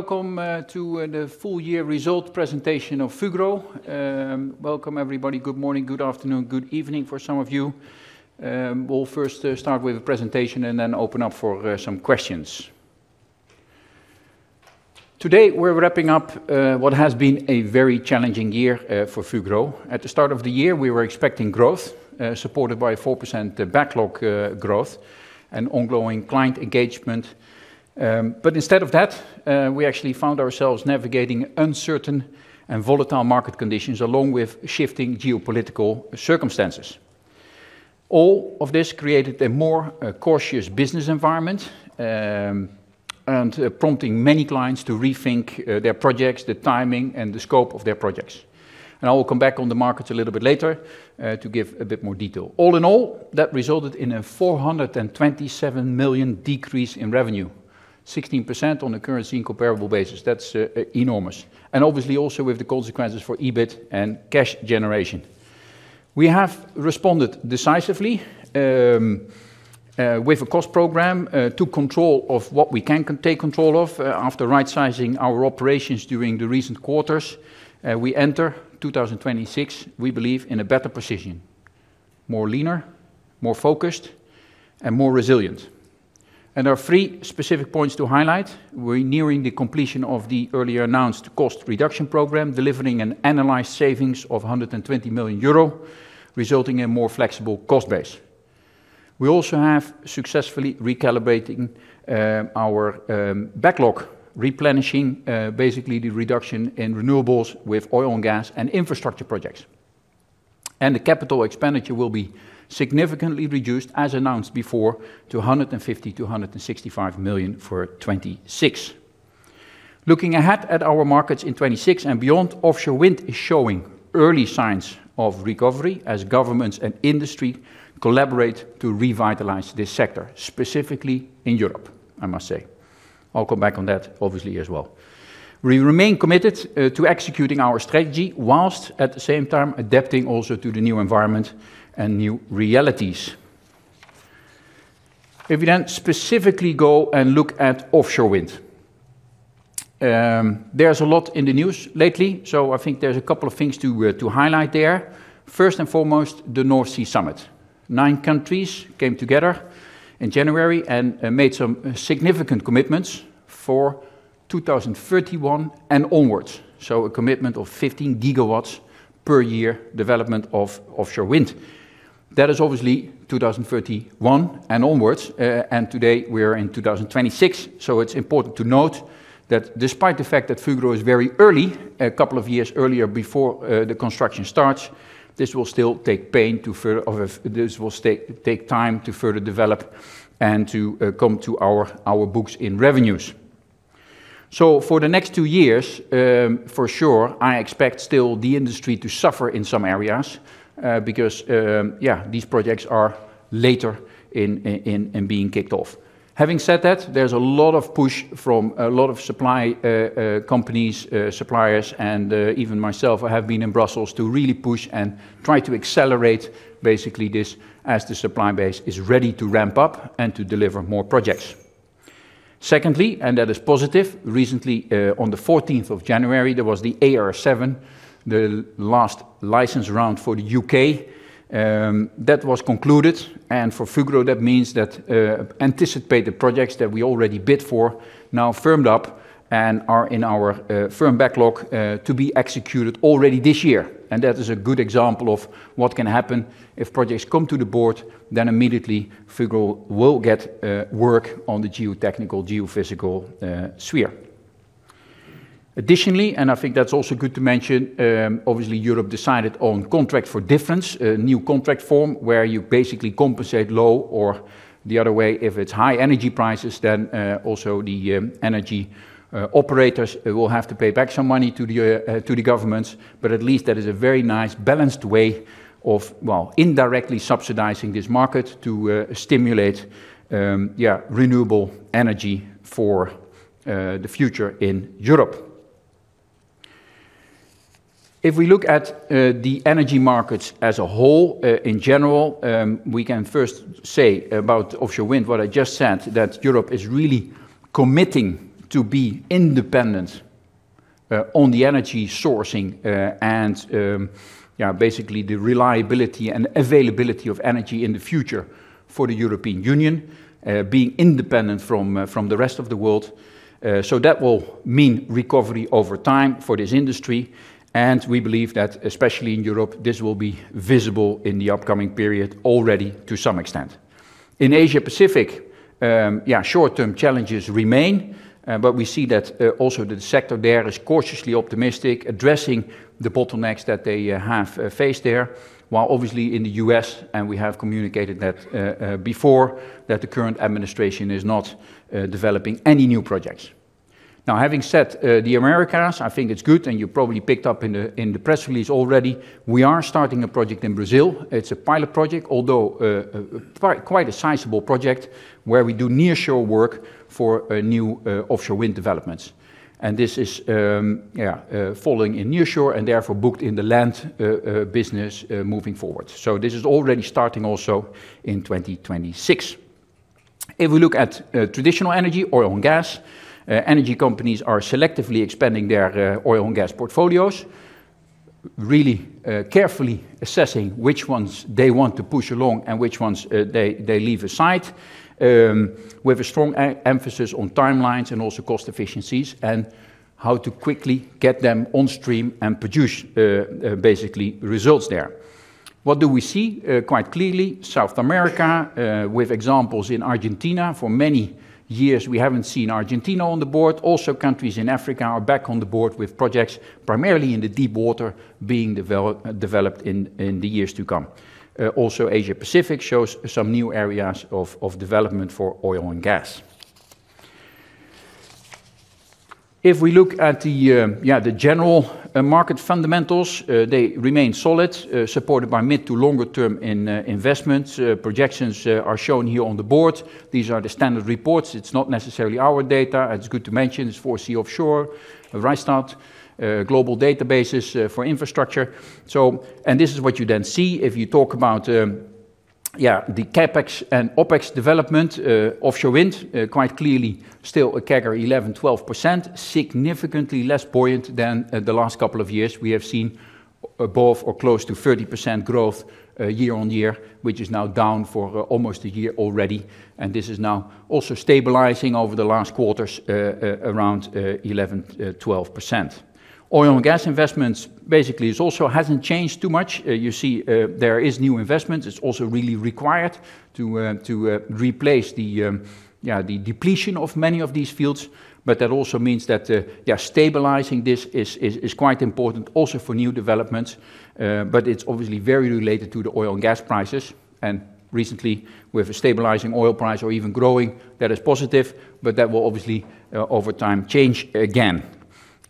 Welcome to the full year results presentation of Fugro. Welcome everybody. Good morning, good afternoon, good evening for some of you. We'll first start with a presentation and then open up for some questions. Today, we're wrapping up what has been a very challenging year for Fugro. At the start of the year, we were expecting growth, supported by 4% backlog growth and ongoing client engagement. Instead of that, we actually found ourselves navigating uncertain and volatile market conditions, along with shifting geopolitical circumstances. All of this created a more cautious business environment, and prompting many clients to rethink their projects, the timing, and the scope of their projects. I will come back on the markets a little bit later to give a bit more detail. All in all, that resulted in a 427 million decrease in revenue, 16% on a currency incomparable basis. That's enormous, and obviously also with the consequences for EBIT and cash generation. We have responded decisively with a cost program, took control of what we can take control of, after right-sizing our operations during the recent quarters. We enter 2026, we believe, in a better position, more leaner, more focused, and more resilient. There are three specific points to highlight. We're nearing the completion of the earlier announced cost reduction program, delivering an analyzed savings of 120 million euro, resulting in more flexible cost base. We also have successfully recalibrating our backlog, replenishing basically the reduction in renewables with oil and gas and infrastructure projects. The CapEx will be significantly reduced, as announced before, to 150 million-165 million for 2026. Looking ahead at our markets in 2026 and beyond, offshore wind is showing early signs of recovery as governments and industry collaborate to revitalize this sector, specifically in Europe, I must say. I'll come back on that obviously as well. We remain committed to executing our strategy whilst at the same time adapting also to the new environment and new realities. If we then specifically go and look at offshore wind, there's a lot in the news lately, so I think there's a couple of things to highlight there. First and foremost, the North Sea Summit. Nine countries came together in January and made some significant commitments for 2031 and onwards, a commitment of 15 GW per year development of offshore wind. That is obviously 2031 and onwards, and today we're in 2026, it's important to note that despite the fact that Fugro is very early, a couple of years earlier before the construction starts, this will still take time to further develop and to come to our books in revenues. For the next two years, for sure, I expect still the industry to suffer in some areas, because, yeah, these projects are later in being kicked off. Having said that, there's a lot of push from a lot of supply companies, suppliers, and even myself, I have been in Brussels to really push and try to accelerate basically this as the supply base is ready to ramp up and to deliver more projects. Secondly, that is positive, recently, on the 14th of January, there was the AR7, the last license round for the U.K. That was concluded, and for Fugro, that means that anticipated projects that we already bid for now firmed up and are in our firm backlog to be executed already this year. That is a good example of what can happen if projects come to the board, then immediately, Fugro will get work on the geotechnical, geophysical sphere. Additionally, I think that's also good to mention, obviously, Europe decided on Contracts for Difference, a new contract form where you basically compensate low or the other way, if it's high energy prices, then also the energy operators will have to pay back some money to the governments. At least that is a very nice, balanced way of, well, indirectly subsidizing this market to stimulate, yeah, renewable energy for the future in Europe. If we look at the energy markets as a whole, in general, we can first say about offshore wind, what I just said, that Europe is really committing to be independent on the energy sourcing, and basically the reliability and availability of energy in the future for the European Union, being independent from the rest of the world. That will mean recovery over time for this industry, and we believe that, especially in Europe, this will be visible in the upcoming period already to some extent. In Asia Pacific, short-term challenges remain, but we see that also the sector there is cautiously optimistic, addressing the bottlenecks that they have faced there, while obviously in the U.S., and we have communicated that before, that the current administration is not developing any new projects. Now, having said the Americas, I think it's good, and you probably picked up in the press release already, we are starting a project in Brazil. It's a pilot project, although quite a sizable project, where we do nearshore work for new offshore wind developments. This is falling in nearshore and therefore booked in the Land business moving forward. This is already starting also in 2026. If we look at traditional energy, oil and gas, energy companies are selectively expanding their oil and gas portfolios, really carefully assessing which ones they want to push along and which ones they leave aside. With a strong emphasis on timelines and also cost efficiencies, and how to quickly get them on stream and produce basically results there. What do we see? Quite clearly, South America, with examples in Argentina. For many years, we haven't seen Argentina on the board. Also, countries in Africa are back on the board with projects, primarily in the deepwater being developed in the years to come. Also, Asia-Pacific shows some new areas of development for oil and gas. If we look at the, yeah, the general market fundamentals, they remain solid, supported by mid to longer term investments. Projections are shown here on the board. These are the standard reports. It's not necessarily our data. It's good to mention it's 4C Offshore, Rystad, GlobalData for infrastructure. And this is what you then see if you talk about, yeah, the CapEx and OpEx development, offshore wind, quite clearly, still a CAGR 11%-12%, significantly less buoyant than the last couple of years. We have seen above or close to 30% growth year-on-year, which is now down for almost a year already, and this is now also stabilizing over the last quarters around 11%-12%. Oil and gas investments, basically, it also hasn't changed too much. You see, there is new investment. It's also really required to replace the depletion of many of these fields, but that also means that stabilizing this is quite important also for new developments. But it's obviously very related to the oil and gas prices, and recently, with a stabilizing oil price or even growing, that is positive, but that will obviously, over time, change again.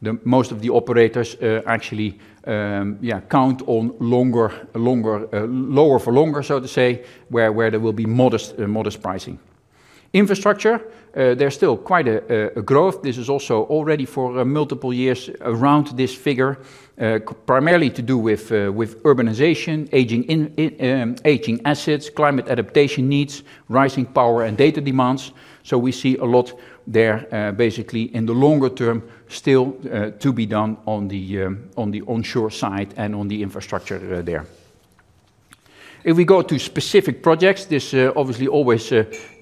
The most of the operators actually count on longer, lower for longer, so to say, where there will be modest pricing. Infrastructure, there's still quite a growth. This is also already for multiple years around this figure, primarily to do with urbanization, aging assets, climate adaptation needs, rising power and data demands. We see a lot there, basically in the longer term, still to be done on the onshore side and on the infrastructure there. If we go to specific projects, this obviously always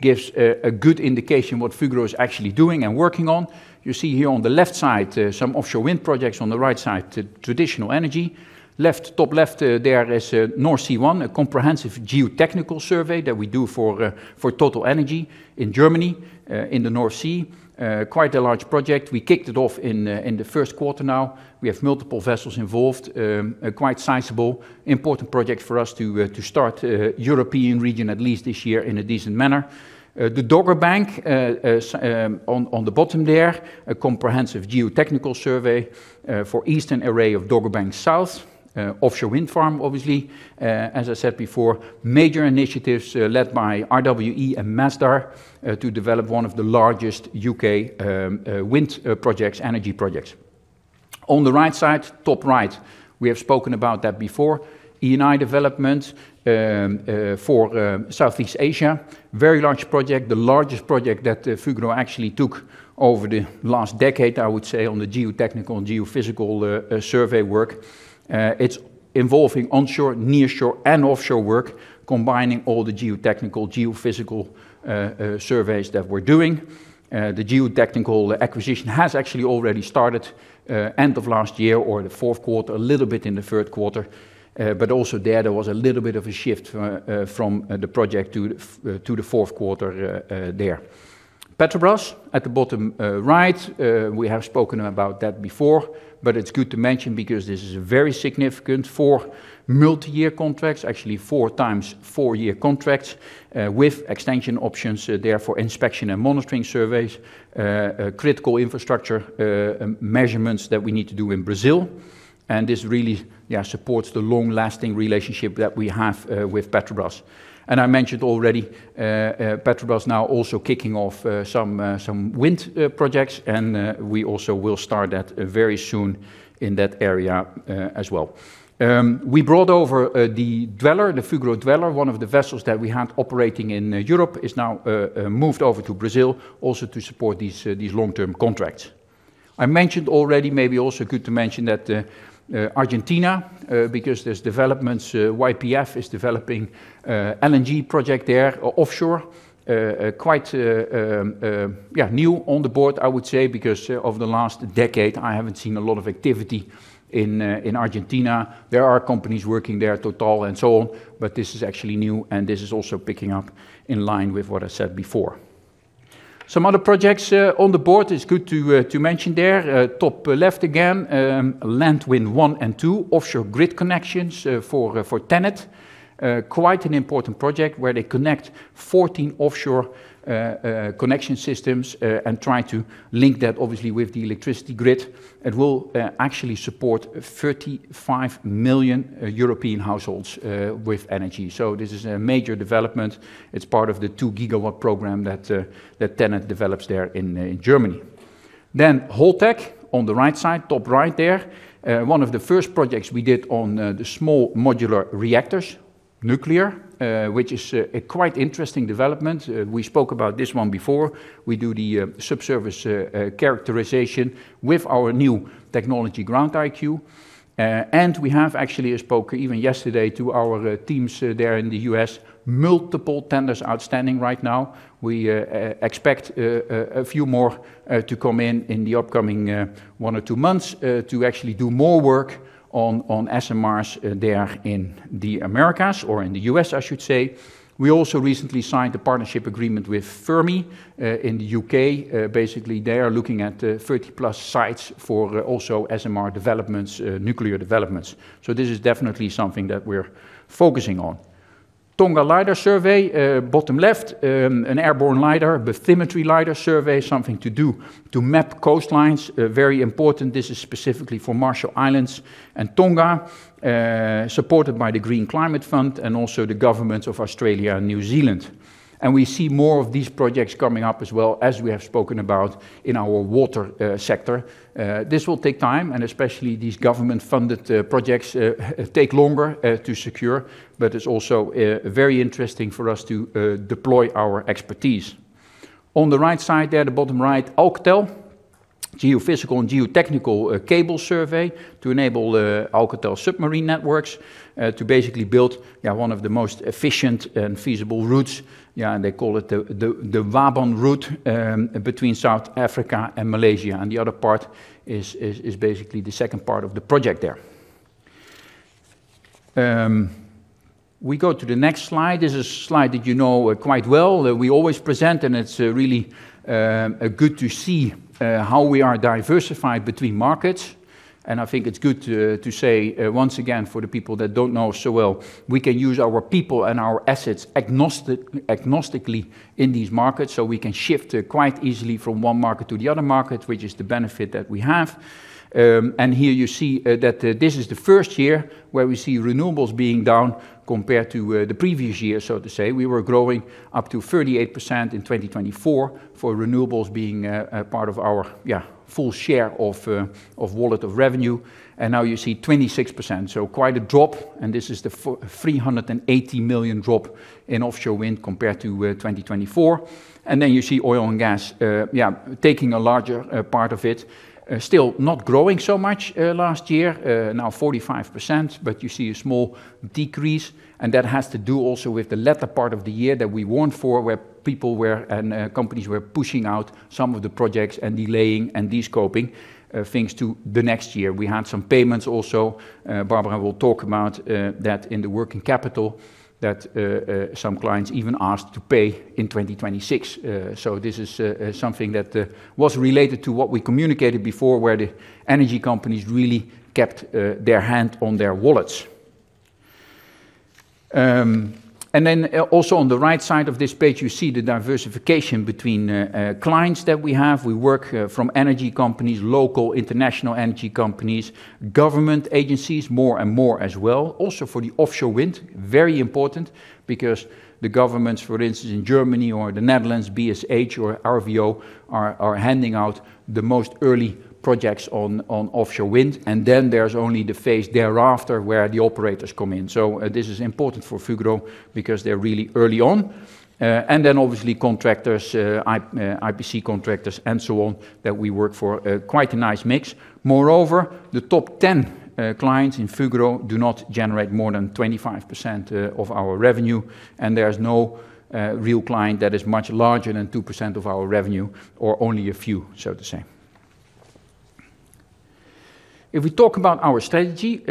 gives a good indication what Fugro is actually doing and working on. You see here on the left side, some offshore wind projects, on the right side, the traditional energy. Left, top left, there is NordSee 1, a comprehensive geotechnical survey that we do for TotalEnergies in Germany, in the North Sea. Quite a large project. We kicked it off in the first quarter now. We have multiple vessels involved, a quite sizable important project for us to start European region, at least this year, in a decent manner. The Dogger Bank on the bottom there, a comprehensive geotechnical survey for eastern array of Dogger Bank South offshore wind farm, obviously. As I said before, major initiatives led by RWE and Masdar to develop one of the largest U.K. wind projects, energy projects. On the right side, top right, we have spoken about that before. Eni development for Southeast Asia. Very large project, the largest project that Fugro actually took over the last decade, I would say, on the geotechnical and geophysical survey work. It's involving onshore, nearshore, and offshore work, combining all the geotechnical, geophysical surveys that we're doing. The geotechnical acquisition has actually already started end of last year or the fourth quarter, a little bit in the third quarter, but also there was a little bit of a shift from the project to the fourth quarter there. Petrobras at the bottom right, we have spoken about that before, but it's good to mention because this is very significant for multi-year contracts, actually four times four-year contracts with extension options there for inspection and monitoring surveys, critical infrastructure measurements that we need to do in Brazil. This really, yeah, supports the long-lasting relationship that we have with Petrobras. I mentioned already, Petrobras now also kicking off some wind projects, we also will start that very soon in that area as well. We brought over the Dweller, the Fugro Dweller, one of the vessels that we had operating in Europe, is now moved over to Brazil, also to support these long-term contracts. I mentioned already, maybe also good to mention that Argentina, because there's developments, YPF is developing LNG project there offshore, quite, yeah, new on the board, I would say, because over the last decade, I haven't seen a lot of activity in Argentina. There are companies working there, Total, and so on. This is actually new. This is also picking up in line with what I said before. Some other projects on the board, it's good to mention there, top left again, LanWin1 and 2, offshore grid connections for TenneT. Quite an important project, where they connect 14 offshore connection systems, try to link that obviously with the electricity grid. It will actually support 35 million European households with energy. This is a major development. It's part of the 2-GW program that TenneT develops there in Germany. Holtec on the right side, top right there, one of the first projects we did on the small modular reactors, nuclear, which is a quite interesting development. We spoke about this one before. We do the subsurface characterization with our new technology, GroundIQ. We have actually spoke even yesterday to our teams there in the U.S., multiple tenders outstanding right now. We expect a few more to come in the upcoming one or two months, to actually do more work on SMRs there in the Americas or in the U.S., I should say. We also recently signed a partnership agreement with Fermi in the U.K. Basically, they are looking at 30-plus sites for also SMR developments, nuclear developments. This is definitely something that we're focusing on. Tonga LiDAR survey, bottom left, an airborne LiDAR, bathymetry LiDAR survey, something to do to map coastlines. Very important, this is specifically for Marshall Islands and Tonga, supported by the Green Climate Fund, and also the governments of Australia and New Zealand. We see more of these projects coming up as well as we have spoken about in our water sector. This will take time, and especially these government-funded projects take longer to secure, but it's also very interesting for us to deploy our expertise. On the right side there, the bottom right, Alcatel geophysical and geotechnical cable survey to enable Alcatel Submarine Networks to basically build one of the most efficient and feasible routes. They call it the WABAN route between South Africa and Malaysia. The other part is basically the second part of the project there. We go to the next slide. This is a slide that you know, quite well, that we always present, and it's really good to see how we are diversified between markets. I think it's good to say once again, for the people that don't know so well, we can use our people and our assets agnostically in these markets, so we can shift quite easily from one market to the other market, which is the benefit that we have. Here you see that this is the first year where we see renewables being down compared to the previous year, so to say. We were growing up to 38% in 2024 for renewables being a part of our, yeah, full share of wallet of revenue, and now you see 26%. Quite a drop, and this is the 380 million drop in offshore wind compared to 2024. You see oil and gas, yeah, taking a larger part of it. Still not growing so much last year, now 45%, but you see a small decrease, and that has to do also with the latter part of the year that we warned for, where people were, and companies were pushing out some of the projects and delaying and descoping things to the next year. We had some payments also, Barbara will talk about that in the working capital, that some clients even asked to pay in 2026. This is something that was related to what we communicated before, where the energy companies really kept their hand on their wallets. Also on the right side of this page, you see the diversification between clients that we have. We work from energy companies, local, international energy companies, government agencies, more and more as well. Also for the offshore wind, very important because the governments, for instance, in Germany or the Netherlands, BSH or RVO, are handing out the most early projects on offshore wind, and then there's only the phase thereafter, where the operators come in. This is important for Fugro because they're really early on. Obviously contractors, EPC contractors and so on, that we work for, quite a nice mix. Moreover, the top 10 clients in Fugro do not generate more than 25% of our revenue, and there's no real client that is much larger than 2% of our revenue, or only a few, so to say. If we talk about our strategy,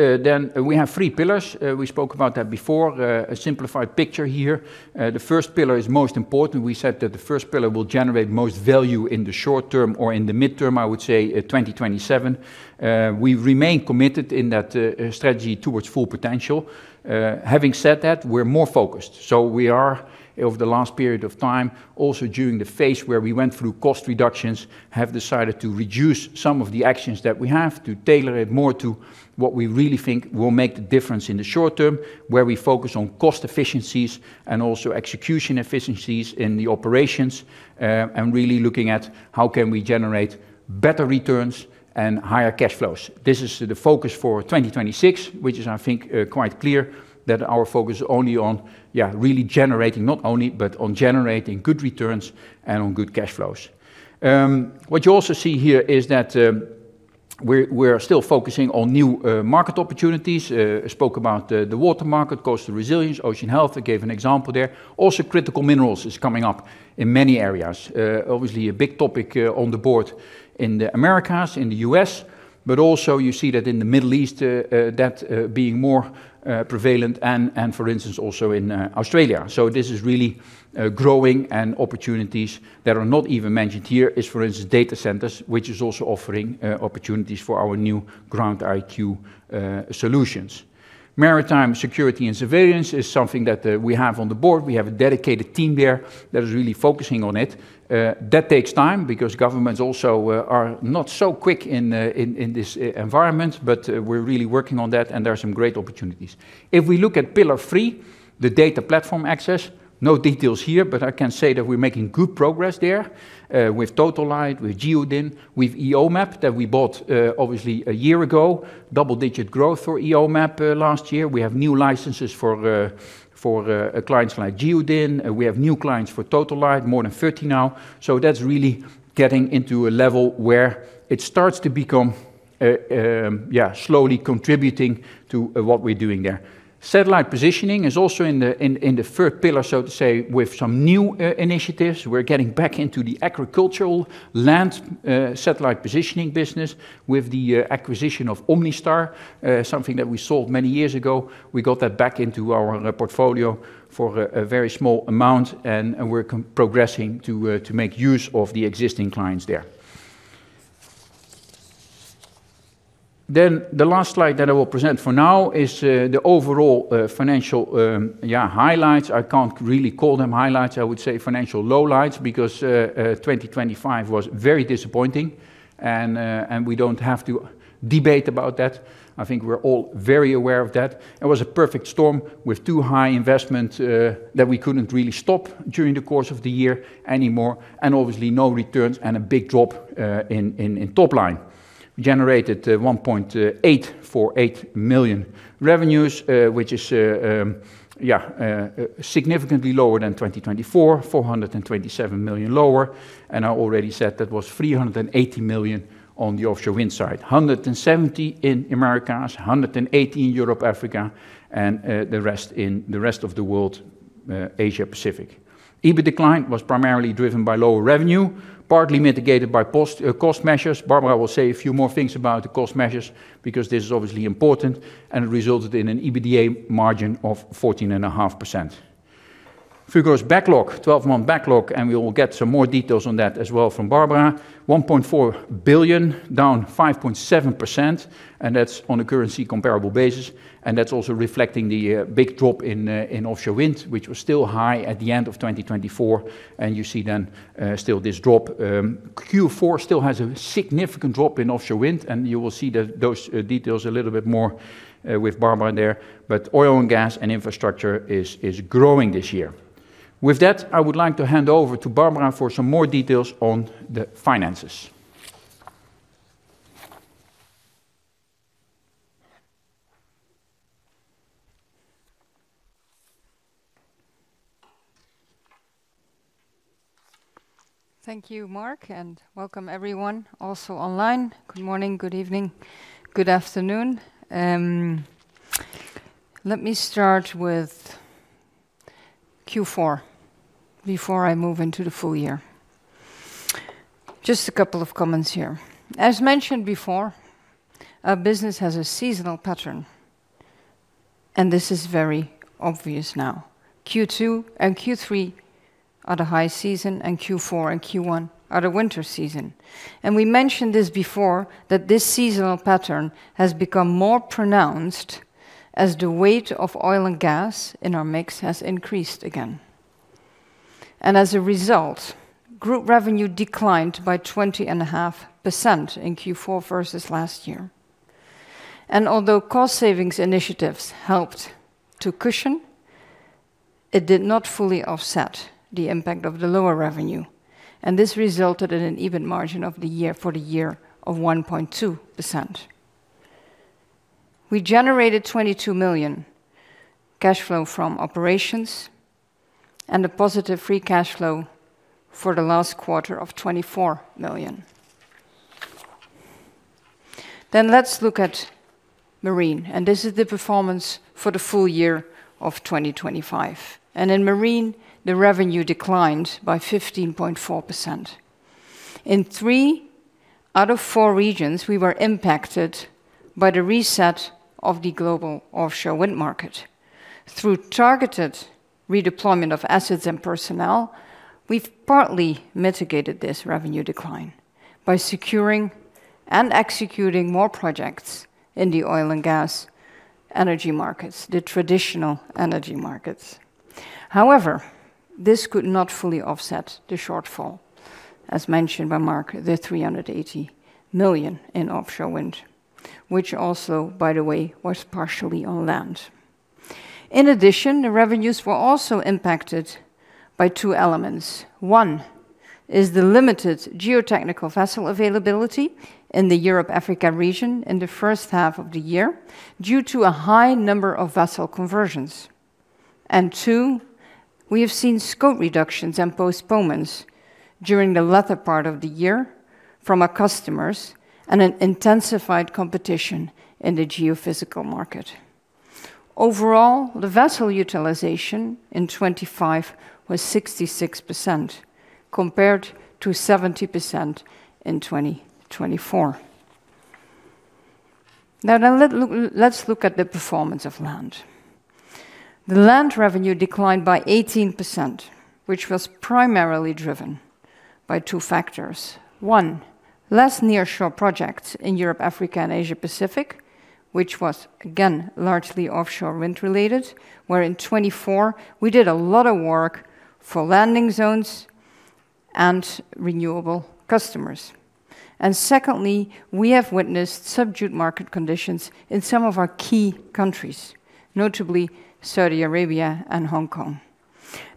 we have three pillars. We spoke about that before, a simplified picture here. The first pillar is most important. We said that the first pillar will generate most value in the short term or in the midterm, I would say, 2027. We remain committed in that strategy Towards Full Potential. Having said that, we're more focused, we are, over the last period of time, also during the phase where we went through cost reductions, have decided to reduce some of the actions that we have to tailor it more to what we really think will make the difference in the short term, where we focus on cost efficiencies and also execution efficiencies in the operations, and really looking at how can we generate better returns and higher cash flows. This is the focus for 2026, which is, I think, quite clear, that our focus only on, really generating, not only, but on generating good returns and on good cash flows. What you also see here is that, we're still focusing on new, market opportunities. I spoke about the water market, coastal resilience, ocean health, I gave an example there. Also, critical minerals is coming up in many areas. Obviously, a big topic on the board in the Americas, in the U.S., but also you see that in the Middle East, that being more prevalent and for instance, also in Australia. This is really growing, and opportunities that are not even mentioned here is, for instance, data centers, which is also offering opportunities for our new GroundIQ solutions. Maritime security and surveillance is something that we have on the board. We have a dedicated team there that is really focusing on it. That takes time because governments also are not so quick in this environment, but we're really working on that, and there are some great opportunities. If we look at pillar three, the data platform access, no details here, but I can say that we're making good progress there, with TotaLite, with GeoDin, with EOMAP, that we bought, obviously a year ago, double-digit growth for EOMAP, last year. We have new licenses for clients like GeoDin. We have new clients for TotaLite, more than 30 now. That's really getting into a level where it starts to become—yeah, slowly contributing to what we're doing there. Satellite positioning is also in the third pillar, so to say, with some new initiatives. We're getting back into the agricultural land satellite positioning business with the acquisition of OmniSTAR, something that we sold many years ago. We got that back into our portfolio for a very small amount, and we're progressing to make use of the existing clients there. The last slide that I will present for now is the overall financial highlights. I can't really call them highlights. I would say financial lowlights because 2025 was very disappointing, and we don't have to debate about that. I think we're all very aware of that. It was a perfect storm with too high investment that we couldn't really stop during the course of the year anymore, and obviously no returns and a big drop in top line. Generated 1.848 million revenues, which is significantly lower than 2024, 427 million lower. I already said that was 380 million on the offshore wind side. 170 million in Americas, 180 million in Europe, Africa, and the rest in the rest of the world, Asia Pacific. EBIT decline was primarily driven by lower revenue, partly mitigated by post cost measures. Barbara will say a few more things about the cost measures because this is obviously important. It resulted in an EBITDA margin of 14.5%. Fugro's backlog, 12-month backlog. We will get some more details on that as well from Barbara. 1.4 billion, down 5.7%, and that's on a currency comparable basis, and that's also reflecting the big drop in offshore wind, which was still high at the end of 2024, and you see then still this drop. Q4 still has a significant drop in offshore wind, and you will see those details a little bit more with Barbara there. Oil and gas and infrastructure is growing this year. With that, I would like to hand over to Barbara for some more details on the finances. Thank you, Mark. Welcome everyone, also online. Good morning, good evening, good afternoon. Let me start with Q4 before I move into the full year. Just a couple of comments here. As mentioned before, our business has a seasonal pattern. This is very obvious now. Q2 and Q3 are the high season. Q4 and Q1 are the winter season. We mentioned this before, that this seasonal pattern has become more pronounced as the weight of oil and gas in our mix has increased again. As a result, group revenue declined by 20.5% in Q4 versus last year. Although cost savings initiatives helped to cushion, it did not fully offset the impact of the lower revenue, and this resulted in an EBIT margin of the year, for the year of 1.2%. We generated 22 million cash flow from operations and a positive free cash flow for the last quarter of 24 million. Let's look at Marine, and this is the performance for the full year of 2025. In Marine, the revenue declined by 15.4%. In three out of four regions, we were impacted by the reset of the global offshore wind market. Through targeted redeployment of assets and personnel, we've partly mitigated this revenue decline by securing and executing more projects in the oil and gas energy markets, the traditional energy markets. However, this could not fully offset the shortfall, as mentioned by Mark, the 380 million in offshore wind, which also, by the way, was partially on Land. In addition, the revenues were also impacted by two elements. One is the limited geotechnical vessel availability in the Europe-Africa region in the first half of the year due to a high number of vessel conversions. Two, we have seen scope reductions and postponements during the latter part of the year from our customers and an intensified competition in the geophysical market. Overall, the vessel utilization in 2025 was 66%, compared to 70% in 2024. Now, let's look at the performance of Land. The Land revenue declined by 18%, which was primarily driven by two factors. One, less nearshore projects in Europe, Africa, and Asia Pacific, which was again, largely offshore wind-related, where in 2024 we did a lot of work for landing zones and renewable customers. Secondly, we have witnessed subdued market conditions in some of our key countries, notably Saudi Arabia and Hong Kong.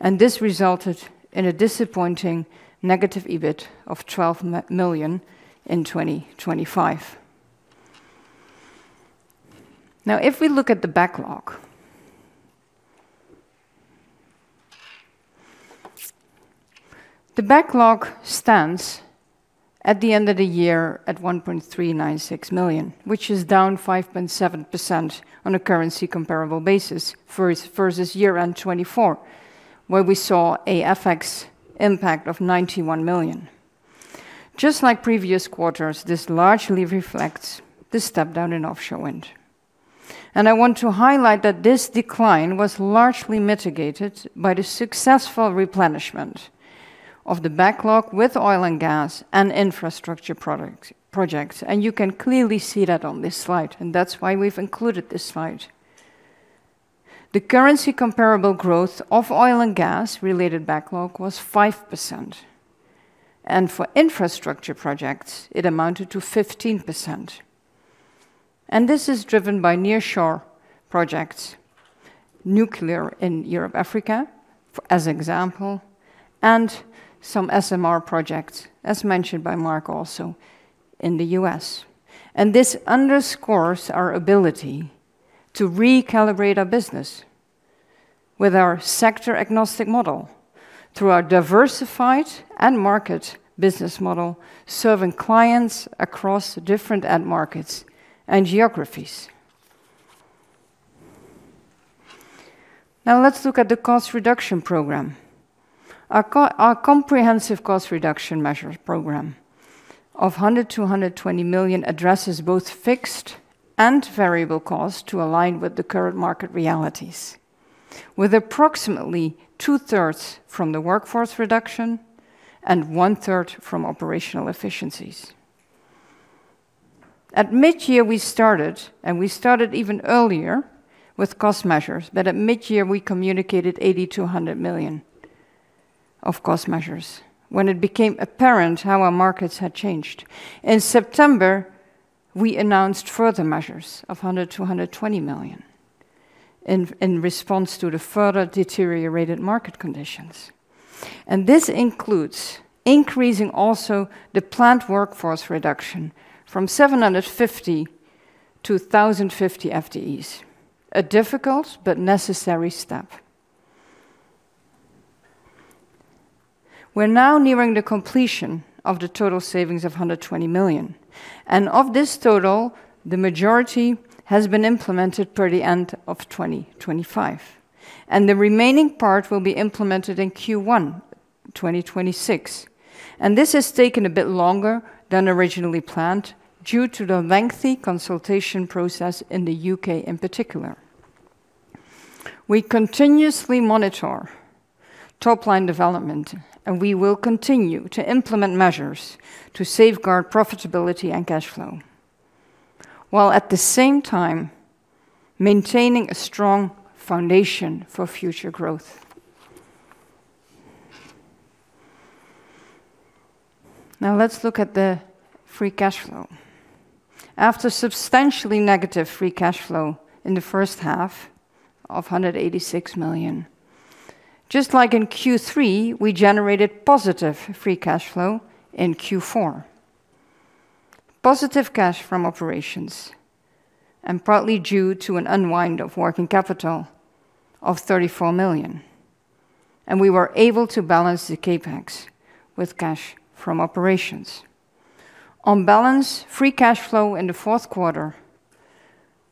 This resulted in a disappointing negative EBIT of 12 million in 2025. If we look at the backlog. The backlog stands at the end of the year at 1.396 million, which is down 5.7% on a currency comparable basis versus year-end 2024, where we saw a FX impact of 91 million. Just like previous quarters, this largely reflects the step down in offshore wind. I want to highlight that this decline was largely mitigated by the successful replenishment of the backlog with oil and gas and infrastructure projects, and you can clearly see that on this slide, and that's why we've included this slide. The currency comparable growth of oil and gas-related backlog was 5%, and for infrastructure projects, it amounted to 15%. This is driven by nearshore projects, nuclear in Europe, Africa, for as example, and some SMR projects, as mentioned by Mark also, in the U.S. This underscores our ability to recalibrate our business with our sector-agnostic model, through our diversified and market business model, serving clients across different end markets and geographies. Now let's look at the cost reduction program. Our comprehensive cost reduction measures program of 100 million-120 million addresses both fixed and variable costs to align with the current market realities, with approximately 2/3 from the workforce reduction and 1/3 from operational efficiencies. At mid-year, we started even earlier with cost measures. At mid-year we communicated 80 million-100 million of cost measures when it became apparent how our markets had changed. In September, we announced further measures of 100 million-120 million in response to the further deteriorated market conditions, and this includes increasing also the planned workforce reduction from 750 to 1,050 FTEs. A difficult but necessary step. We're now nearing the completion of the total savings of 120 million. Of this total, the majority has been implemented per the end of 2025, and the remaining part will be implemented in Q1 2026. This has taken a bit longer than originally planned due to the lengthy consultation process in the U.K. in particular. We continuously monitor top-line development, and we will continue to implement measures to safeguard profitability and cash flow, while at the same time maintaining a strong foundation for future growth. Let's look at the free cash flow. After substantially negative free cash flow in the first half of 186 million, just like in Q3, we generated positive free cash flow in Q4. Positive cash from operations, partly due to an unwind of working capital of 34 million, we were able to balance the CapEx with cash from operations. On balance, free cash flow in the fourth quarter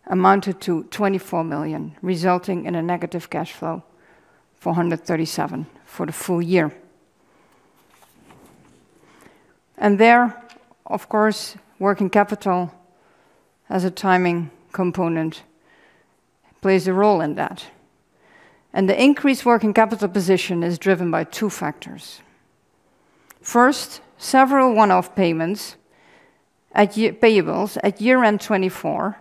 amounted to 24 million, resulting in a negative cash flow for 137 million for the full year. There, of course, working capital as a timing component plays a role in that, the increased working capital position is driven by two factors. First, several one-off payables at year-end 2024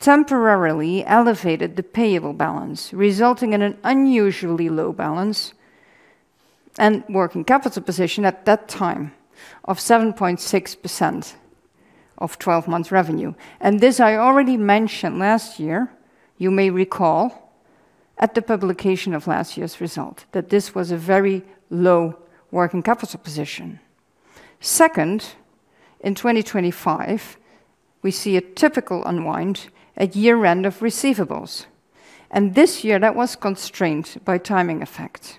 temporarily elevated the payable balance, resulting in an unusually low balance and working capital position at that time of 7.6% of 12-month revenue. This I already mentioned last year, you may recall, at the publication of last year's result, that this was a very low working capital position. Second, in 2025, we see a typical unwind at year-end of receivables, and this year that was constrained by timing effect.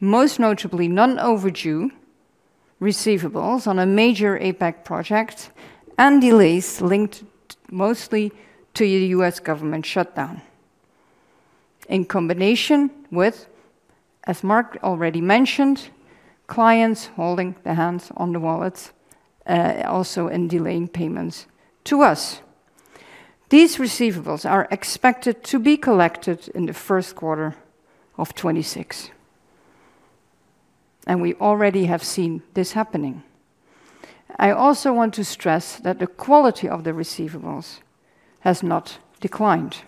Most notably, non-overdue receivables on a major APAC project and delays linked mostly to the U.S. government shutdown. In combination with, as Mark already mentioned, clients holding their hands on the wallets, also in delaying payments to us. These receivables are expected to be collected in the first quarter of 2026, and we already have seen this happening. I also want to stress that the quality of the receivables has not declined.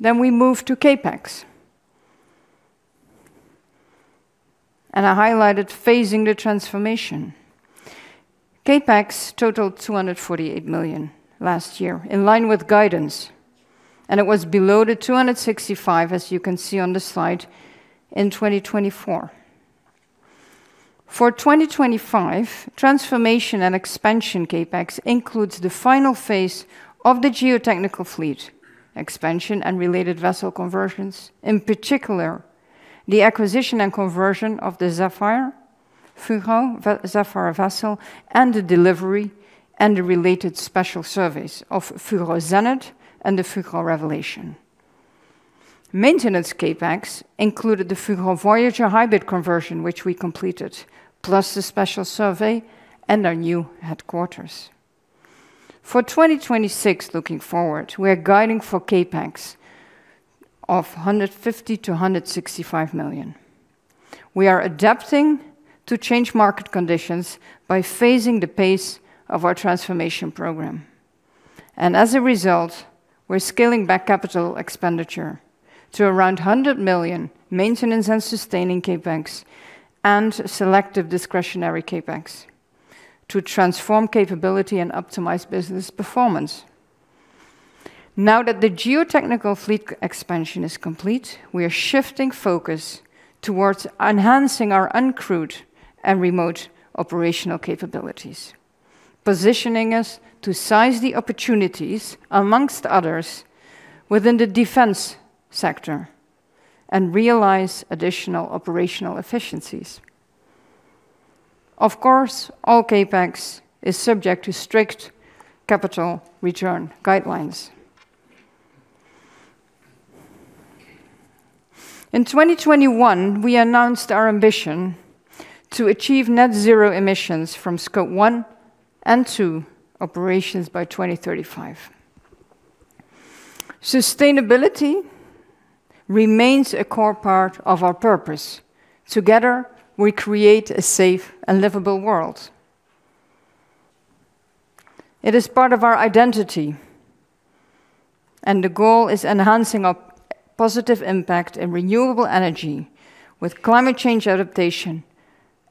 We move to CapEx, and I highlighted phasing the transformation. CapEx totaled 248 million last year, in line with guidance, and it was below 265 million, as you can see on the slide, in 2024. For 2025, transformation and expansion CapEx includes the final phase of the geotechnical fleet expansion and related vessel conversions, in particular, the acquisition and conversion of the Fugro Zephyr and the delivery and the related special surveys of Fugro Zenith and the Fugro Revelation. Maintenance CapEx included the Fugro Voyager hybrid conversion, which we completed, plus the special survey and our new headquarters. For 2026, looking forward, we are guiding for CapEx of 150 million-165 million. We are adapting to change market conditions by phasing the pace of our transformation program. As a result, we're scaling back CapEx to around 100 million maintenance and sustaining CapEx and selective discretionary CapEx to transform capability and optimize business performance. Now that the geotechnical fleet expansion is complete, we are shifting focus towards enhancing our uncrewed and remote operational capabilities, positioning us to seize the opportunities, amongst others, within the defense sector and realize additional operational efficiencies. Of course, all CapEx is subject to strict capital return guidelines. In 2021, we announced our ambition to achieve net zero emissions from Scope 1 and 2 operations by 2035. Sustainability remains a core part of our purpose. Together, we create a safe and livable world. It is part of our identity, the goal is enhancing our positive impact in renewable energy with climate change adaptation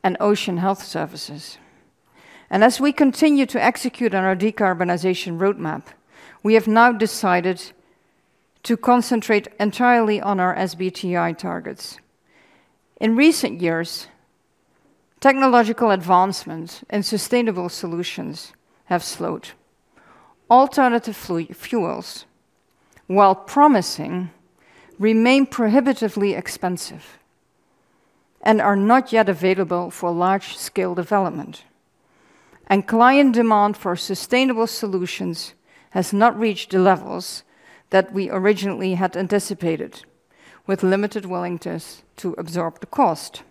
and ocean health services. As we continue to execute on our decarbonization roadmap, we have now decided to concentrate entirely on our SBTi targets. In recent years, technological advancements in sustainable solutions have slowed. Alternative fuels, while promising, remain prohibitively expensive and are not yet available for large-scale development. Client demand for sustainable solutions has not reached the levels that we originally had anticipated, with limited willingness to absorb the cost.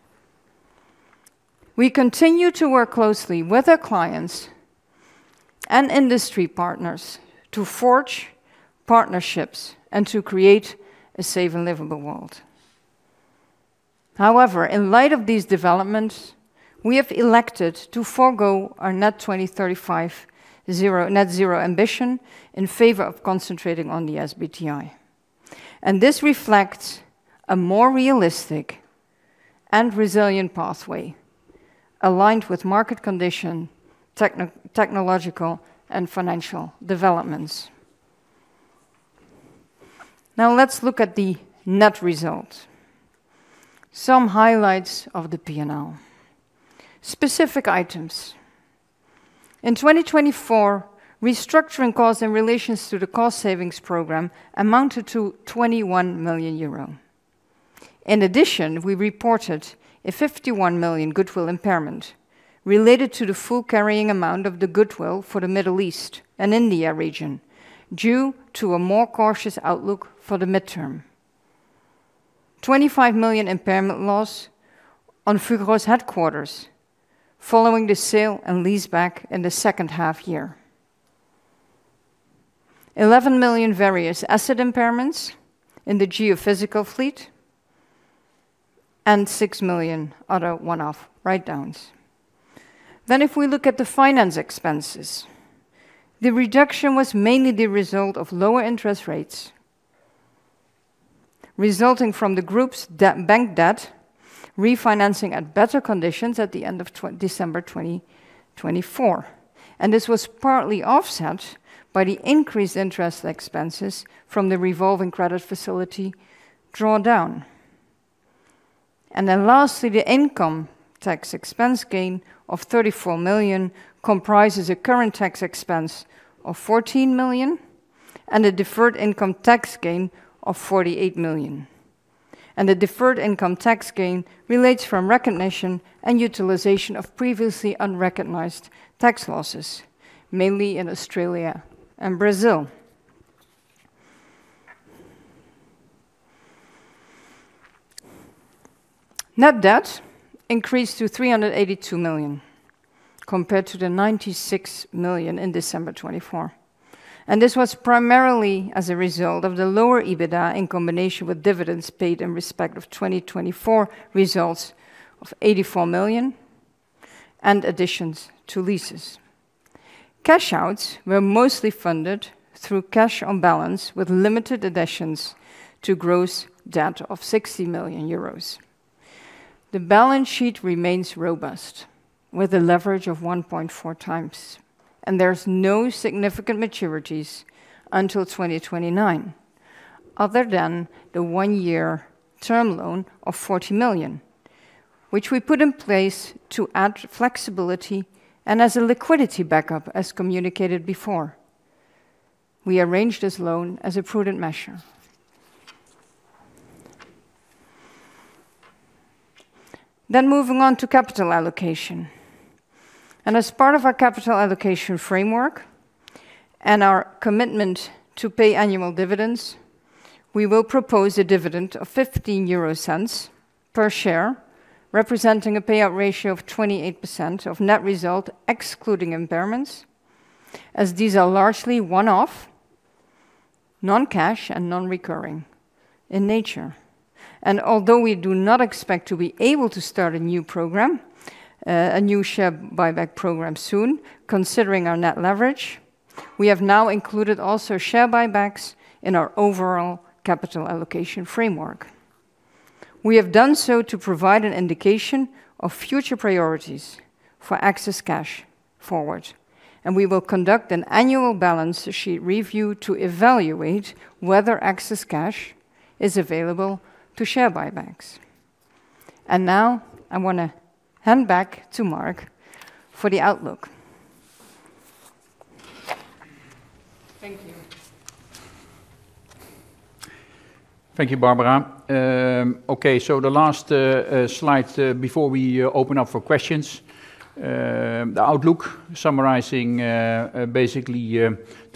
We continue to work closely with our clients and industry partners to forge partnerships and to create a safe and livable world. In light of these developments, we have elected to forgo our net 2035 net zero ambition in favor of concentrating on the SBTi. This reflects a more realistic and resilient pathway aligned with market condition, technological, and financial developments. Let's look at the net result. Some highlights of the P&L. Specific items. In 2024, restructuring costs in relations to the cost savings program amounted to 21 million euro. We reported a 51 million goodwill impairment related to the full carrying amount of the goodwill for the Middle East and India region, due to a more cautious outlook for the midterm. 25 million impairment loss on Fugro's headquarters, following the sale and leaseback in the second half year. 11 million various asset impairments in the geophysical fleet, and 6 million other one-off write-downs. If we look at the finance expenses, the reduction was mainly the result of lower interest rates, resulting from the group's bank debt, refinancing at better conditions at the end of December 2024, and this was partly offset by the increased interest expenses from the revolving credit facility drawdown. Lastly, the income tax expense gain of 34 million comprises a current tax expense of 14 million and a deferred income tax gain of 48 million, and the deferred income tax gain relates from recognition and utilization of previously unrecognized tax losses, mainly in Australia and Brazil. Net debt increased to 382 million, compared to the 96 million in December 2024, and this was primarily as a result of the lower EBITDA, in combination with dividends paid in respect of 2024 results of 84 million and additions to leases. Cash outs were mostly funded through cash on balance, with limited additions to gross debt of 60 million euros. The balance sheet remains robust. With a leverage of 1.4x, there's no significant maturities until 2029, other than the one-year term loan of 40 million, which we put in place to add flexibility and as a liquidity backup, as communicated before. We arranged this loan as a prudent measure. Moving on to capital allocation. As part of our capital allocation framework and our commitment to pay annual dividends, we will propose a dividend of 0.15 per share, representing a payout ratio of 28% of net result, excluding impairments, as these are largely one-off, non-cash, and non-recurring in nature. Although we do not expect to be able to start a new program, a new share buyback program soon, considering our net leverage, we have now included also share buybacks in our overall capital allocation framework. We have done so to provide an indication of future priorities for excess cash forward, and we will conduct an annual balance sheet review to evaluate whether excess cash is available to share buybacks. Now I want to hand back to Mark for the outlook. Thank you. Thank you, Barbara. Okay, the last slide before we open up for questions, the outlook summarizing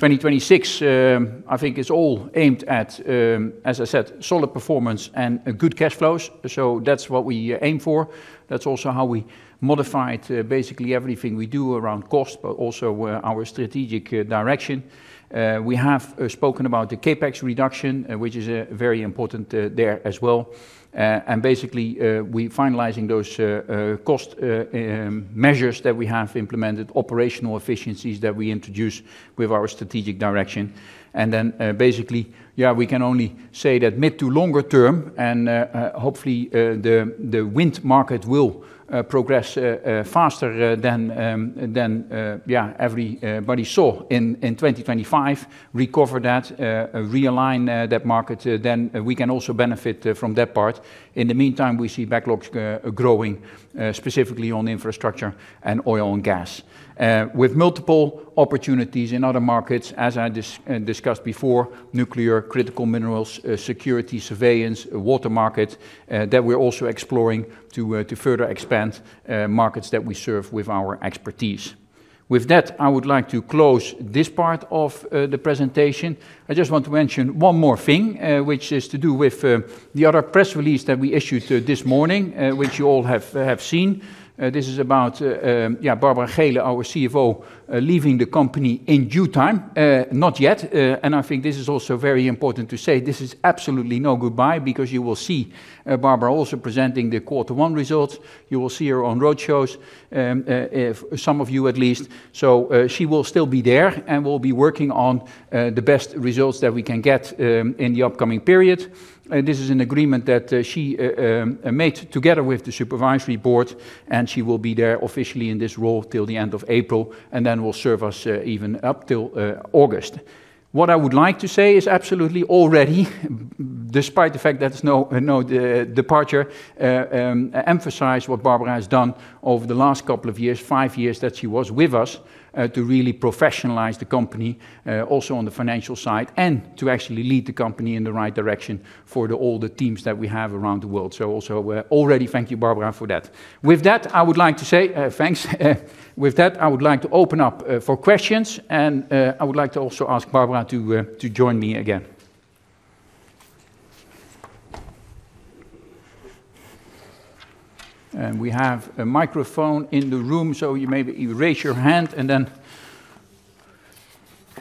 2026, I think is all aimed at, as I said, solid performance and good cash flows. That's what we aim for. That's also how we modified basically everything we do around cost, but also our strategic direction. We have spoken about the CapEx reduction, which is very important there as well. And basically, we finalizing those cost measures that we have implemented, operational efficiencies that we introduce with our strategic direction. Basically, we can only say that mid to longer term, hopefully, the wind market will progress faster than everybody saw in 2025. Recover that, realign that market, then we can also benefit from that part. In the meantime, we see backlogs growing specifically on infrastructure and oil and gas, with multiple opportunities in other markets, as I discussed before, nuclear, critical minerals, security, surveillance, water market, that we're also exploring to further expand markets that we serve with our expertise. With that, I would like to close this part of the presentation. I just want to mention one more thing, which is to do with the other press release that we issued this morning, which you all have seen. This is about, yeah, Barbara Geelen, our CFO, leaving the company in due time, not yet. I think this is also very important to say, this is absolutely no goodbye, because you will see Barbara also presenting the quarter one results. You will see her on roadshows, if some of you at least. She will still be there and will be working on the best results that we can get in the upcoming period. This is an agreement that she made together with the supervisory board, and she will be there officially in this role till the end of April, and then will serve us even up till August. I would like to say is absolutely already, despite the fact that it's no departure, emphasize what Barbara has done over the last couple of years, five years, that she was with us to really professionalize the company also on the financial side, and to actually lead the company in the right direction for the all the teams that we have around the world. Also, already, thank you, Barbara, for that. With that, I would like to say thanks. With that, I would like to open up for questions, and I would like to also ask Barbara to join me again. We have a microphone in the room, so you maybe you raise your hand and then.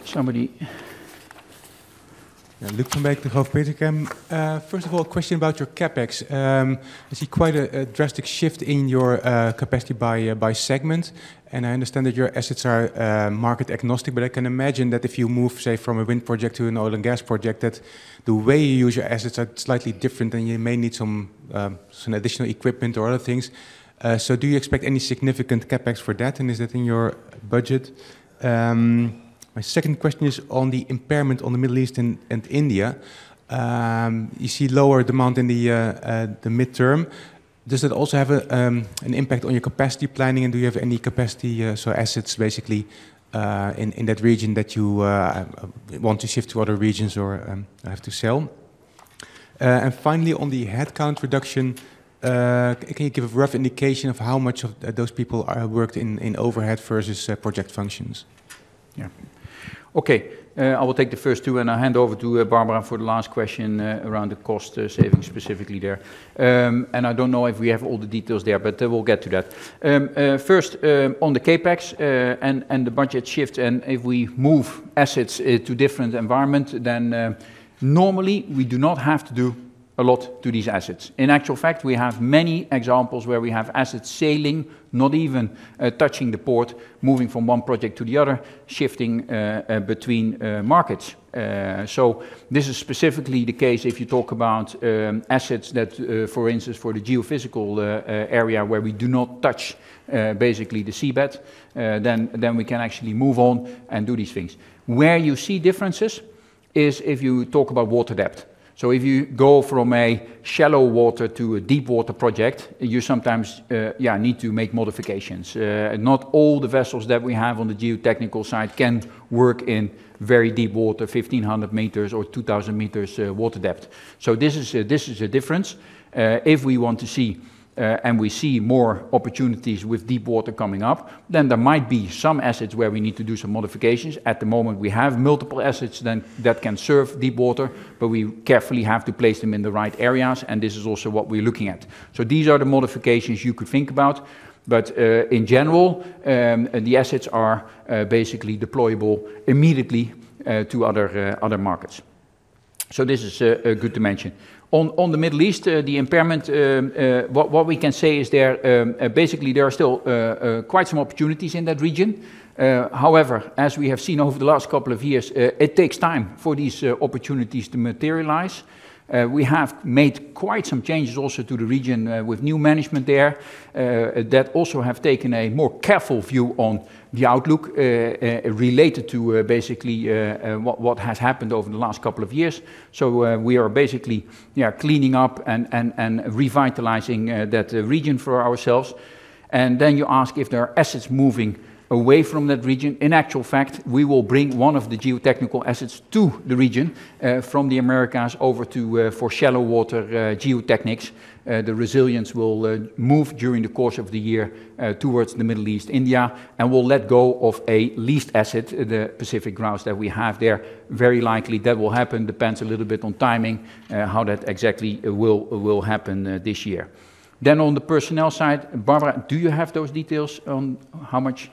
Yeah, Luuk van Beek, Degroof Petercam. First of all, a question about your CapEx. I see quite a drastic shift in your capacity by segment, and I understand that your assets are market-agnostic, but I can imagine that if you move, say, from a wind project to an oil and gas project, that the way you use your assets are slightly different and you may need some additional equipment or other things. Do you expect any significant CapEx for that, and is that in your budget? My second question is on the impairment on the Middle East and India. You see lower demand in the midterm. Does that also have an impact on your capacity planning, and do you have any capacity, so assets basically, in that region that you want to shift to other regions or have to sell? Finally, on the headcount reduction, can you give a rough indication of how much of those people worked in overhead versus project functions? Yeah. Okay, I will take the first two, and I'll hand over to Barbara for the last question, around the cost savings specifically there. I don't know if we have all the details there, but we'll get to that. First, on the CapEx, and the budget shift, and if we move assets to different environment, then normally, we do not have to do a lot to these assets. In actual fact, we have many examples where we have assets sailing, not even touching the port, moving from one project to the other, shifting between markets. This is specifically the case if you talk about assets that, for instance, for the geophysical area, where we do not touch basically the seabed, then we can actually move on and do these things. Where you see differences is if you talk about water depth. If you go from a shallow water to a deepwater project, you sometimes, yeah, need to make modifications. Not all the vessels that we have on the geotechnical side can work in very deepwater, 1,500 m or 2,000 m, water depth. This is a difference. If we want to see, and we see more opportunities with deepwater coming up, then there might be some assets where we need to do some modifications. At the moment, we have multiple assets then, that can serve deepwater, but we carefully have to place them in the right areas, and this is also what we're looking at. These are the modifications you could think about, but, in general, the assets are basically deployable immediately to other other markets. This is good to mention. On the Middle East, the impairment, what we can say is there, basically there are still quite some opportunities in that region. However, as we have seen over the last couple of years, it takes time for these opportunities to materialize. We have made quite some changes also to the region, with new management there, that also have taken a more careful view on the outlook related to basically what has happened over the last couple of years. We are basically, yeah, cleaning up and revitalizing that region for ourselves. You ask if there are assets moving away from that region. In actual fact, we will bring one of the geotechnical assets to the region from the Americas over to for shallow water geotechnics. The Resilience will move during the course of the year towards the Middle East, India, and we'll let go of a leased asset, the Pacific Grouse, that we have there. Very likely that will happen, depends a little bit on timing, how that exactly will happen, this year. On the personnel side, Barbara, do you have those details on how much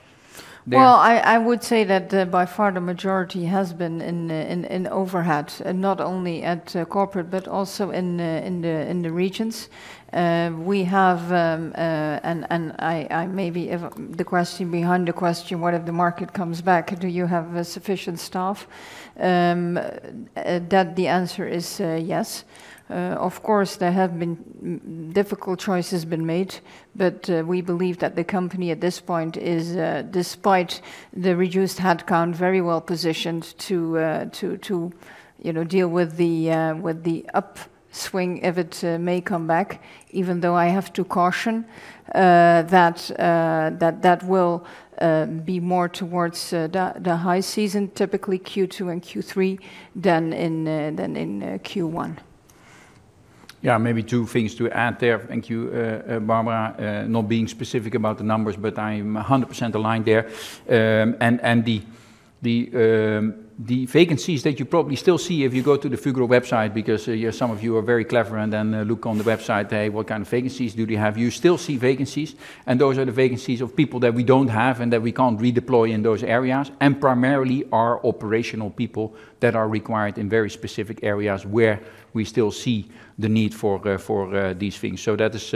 there? Well, I would say that, by far, the majority has been in overhead, and not only at corporate, but also in the regions. We have—I maybe, if the question behind the question, what if the market comes back, do you have sufficient staff? That the answer is, yes. Of course, there have been—difficult choices have been made, but we believe that the company, at this point, is despite the reduced headcount, very well positioned to, you know, deal with the upswing if it may come back, even though I have to caution that that will be more towards the high season, typically Q2 and Q3, than in Q1. Yeah, maybe two things to add there. Thank you, Barbara, not being specific about the numbers, but I'm 100% aligned there. And the vacancies that you probably still see if you go to the Fugro website, because, yeah, some of you are very clever, and then, look on the website, hey, what kind of vacancies do they have? You still see vacancies, and those are the vacancies of people that we don't have and that we can't redeploy in those areas, and primarily are operational people that are required in very specific areas where we still see the need for these things. That is,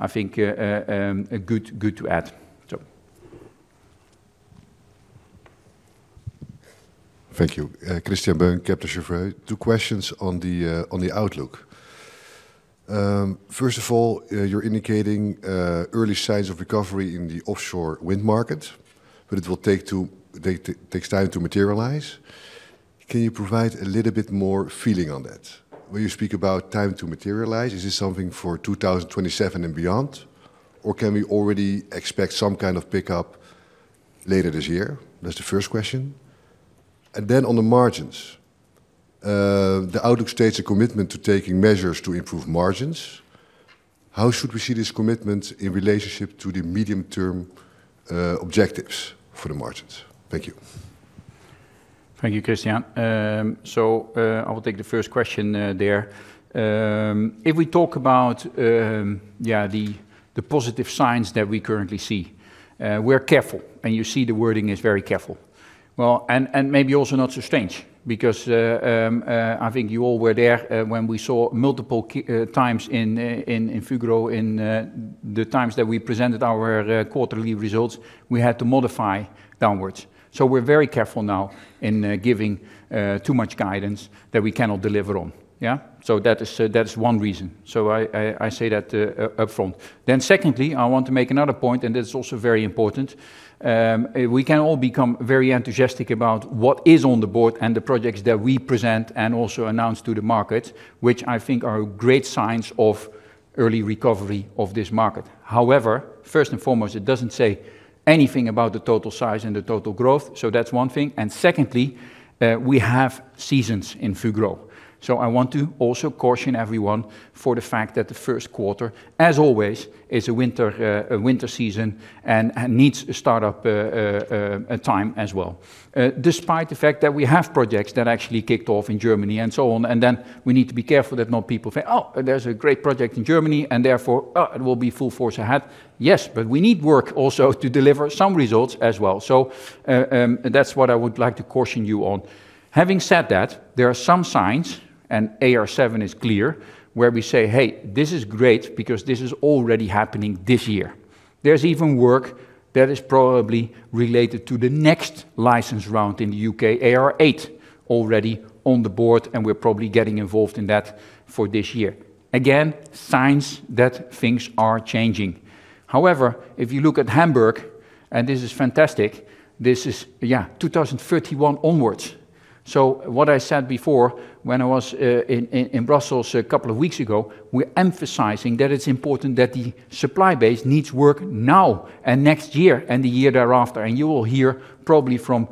I think, a good to add. Thank you. Christian, Kepler Cheuvreux, two questions on the outlook. First of all, you're indicating early signs of recovery in the offshore wind market, but it will take time to materialize. Can you provide a little bit more feeling on that? When you speak about time to materialize, is this something for 2027 and beyond, or can we already expect some kind of pickup later this year? That's the first question. On the margins, the outlook states a commitment to taking measures to improve margins. How should we see this commitment in relationship to the medium-term objectives for the margins? Thank you. Thank you, Christian. I will take the first question there. If we talk about, yeah, the positive signs that we currently see, we're careful, and you see the wording is very careful. Well, and maybe also not so strange, because, I think you all were there, when we saw multiple times in Fugro, in the times that we presented our quarterly results, we had to modify downwards. We're very careful now in giving too much guidance that we cannot deliver on, yeah? That is one reason. I say that up front. Secondly, I want to make another point, and this is also very important. We can all become very enthusiastic about what is on the board and the projects that we present and also announce to the market, which I think are great signs of early recovery of this market. First and foremost, it doesn't say anything about the total size and the total growth, so that's one thing. Secondly, we have seasons in Fugro, so I want to also caution everyone for the fact that the first quarter, as always, is a winter, a winter season and needs a start-up time as well. Despite the fact that we have projects that actually kicked off in Germany and so on, we need to be careful that not people say, "Oh, there's a great project in Germany, and therefore, it will be full force ahead." Yes, but we need work also to deliver some results as well. That's what I would like to caution you on. Having said that, there are some signs, and AR7 is clear, where we say, "Hey, this is great because this is already happening this year." There's even work that is probably related to the next license round in the U.K., AR8, already on the board, and we're probably getting involved in that for this year. Again, signs that things are changing. If you look at Hamburg, and this is fantastic, this is, yeah, 2031 onwards. What I said before, when I was in Brussels a couple of weeks ago, we're emphasizing that it's important that the supply base needs work now, next year, and the year thereafter. You will hear probably from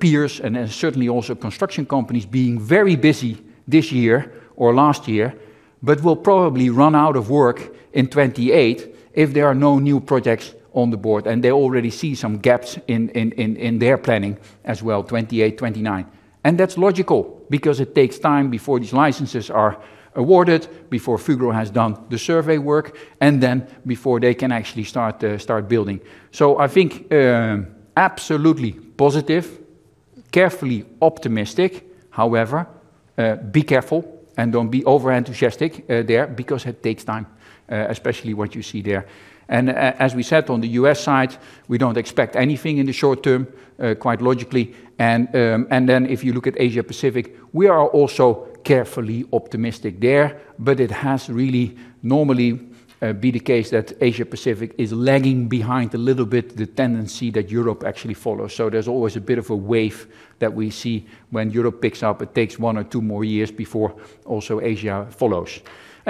peers and certainly also construction companies being very busy this year or last year, but will probably run out of work in 2028 if there are no new projects on the board. They already see some gaps in their planning as well, 2028, 2029. That's logical, because it takes time before these licenses are awarded, before Fugro has done the survey work, and then before they can actually start building. I think, absolutely positive, carefully optimistic. However, be careful and don't be over-enthusiastic there, because it takes time, especially what you see there. As we said, on the U.S. side, we don't expect anything in the short term, quite logically. Then if you look at Asia Pacific, we are also carefully optimistic there, but it has really normally be the case that Asia Pacific is lagging behind a little bit, the tendency that Europe actually follows. There's always a bit of a wave that we see when Europe picks up. It takes one or two more years before also Asia follows.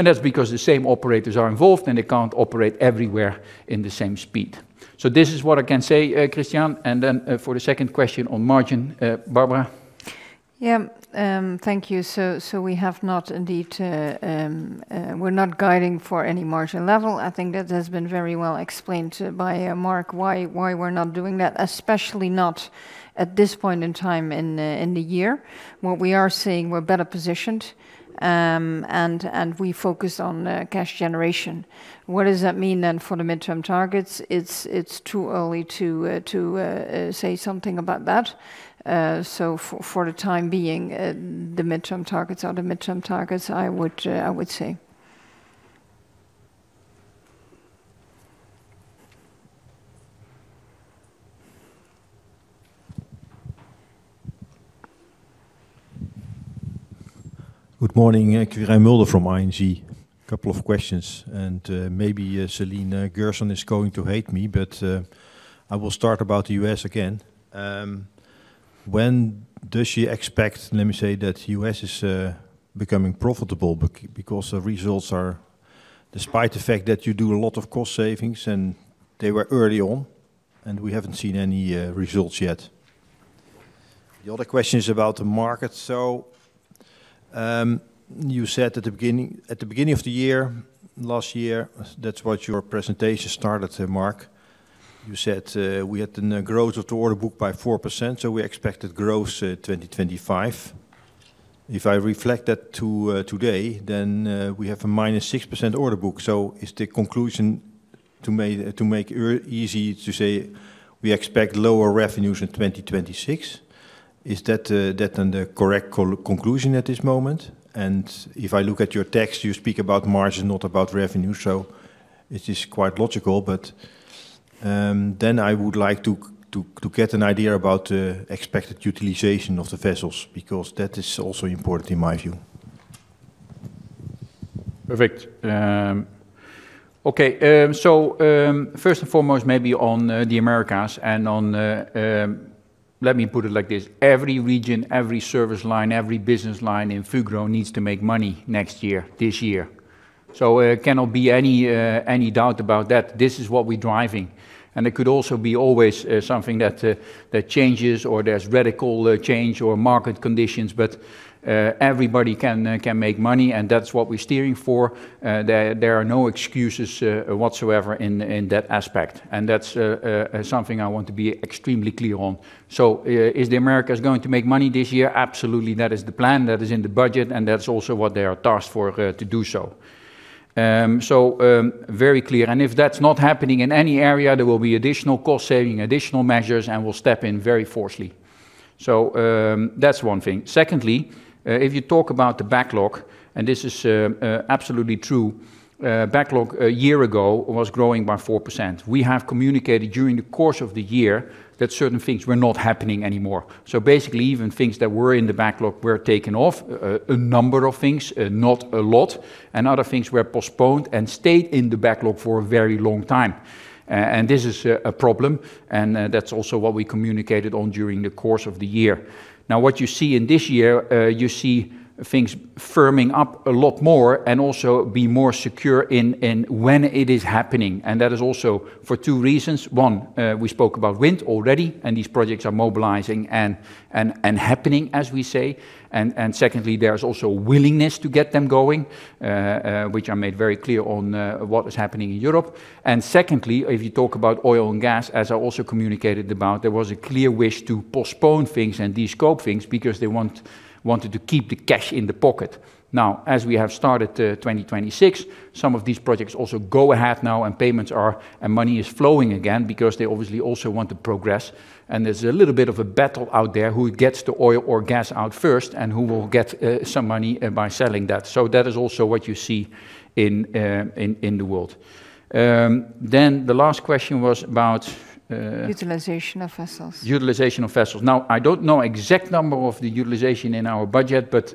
That's because the same operators are involved, and they can't operate everywhere in the same speed. This is what I can say, Christian. Then for the second question on margin, Barbara? Yeah, thank you. We have not indeed, we're not guiding for any margin level. I think that has been very well explained by Mark, why we're not doing that, especially not at this point in time in the year. What we are saying, we're better positioned, and we focus on cash generation. What does that mean then for the midterm targets? It's too early to say something about that. For the time being, the midterm targets are the midterm targets, I would say. Good morning, Quirijn Mulder from ING. Couple of questions, maybe Céline Gerson is going to hate me, I will start about the U.S. again. When does she expect, let me say, that U.S. is becoming profitable, because the results are—despite the fact that you do a lot of cost savings, they were early on, we haven't seen any results yet. The other question is about the market. You said at the beginning, at the beginning of the year, last year, that's what your presentation started, Mark. You said, "We had the growth of the order book by 4%, we expected growth, 2025." If I reflect that to today, we have a minus 6% order book. Is the conclusion to make easy to say, we expect lower revenues in 2026? Is that then the correct conclusion at this moment? If I look at your text, you speak about margin, not about revenue, so it is quite logical. Then I would like to get an idea about the expected utilization of the vessels, because that is also important in my view. Perfect. Okay, first and foremost, maybe on the Americas. Let me put it like this: every region, every service line, every business line in Fugro needs to make money next year, this year. Cannot be any doubt about that. This is what we're driving. It could also be always something that changes or there's radical change or market conditions, everybody can make money, and that's what we're steering for. There, there are no excuses whatsoever in that aspect, and that's something I want to be extremely clear on. Is the Americas going to make money this year? Absolutely. That is the plan. That is in the budget, and that's also what they are tasked for to do so. Very clear, and if that's not happening in any area, there will be additional cost saving, additional measures, and we'll step in very forcefully. That's one thing. Secondly, if you talk about the backlog, and this is absolutely true, backlog a year ago was growing by 4%. We have communicated during the course of the year that certain things were not happening anymore. Basically, even things that were in the backlog were taken off, a number of things, not a lot, and other things were postponed and stayed in the backlog for a very long time. This is a problem, and that's also what we communicated on during the course of the year. Now, what you see in this year, you see things firming up a lot more and also be more secure in when it is happening. That is also for two reasons: one, we spoke about wind already, and these projects are mobilizing and happening, as we say. Secondly, there's also willingness to get them going, which I made very clear on what is happening in Europe. Secondly, if you talk about oil and gas, as I also communicated about, there was a clear wish to postpone things and descope things because they wanted to keep the cash in the pocket. Now, as we have started, 2026, some of these projects also go ahead now, and money is flowing again because they obviously also want to progress. There's a little bit of a battle out there, who gets the oil or gas out first and who will get some money by selling that. That is also what you see in the world. The last question was about. Utilization of vessels. Utilization of vessels. I don't know exact number of the utilization in our budget, but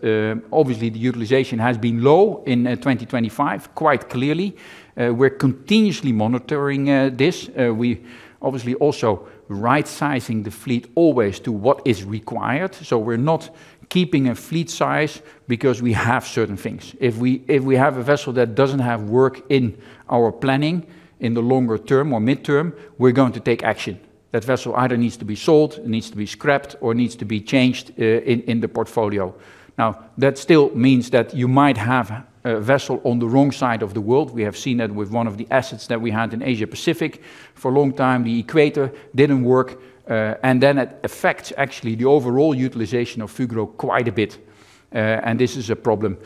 obviously, the utilization has been low in 2025, quite clearly. We're continuously monitoring this. We obviously also right-sizing the fleet always to what is required, so we're not keeping a fleet size because we have certain things. If we have a vessel that doesn't have work in our planning in the longer term or midterm, we're going to take action. That vessel either needs to be sold, it needs to be scrapped, or needs to be changed in the portfolio. That still means that you might have a vessel on the wrong side of the world. We have seen that with one of the assets that we had in Asia Pacific. For a long time, the Equator didn't work, and then it affects actually the overall utilization of Fugro quite a bit, and this is a problem.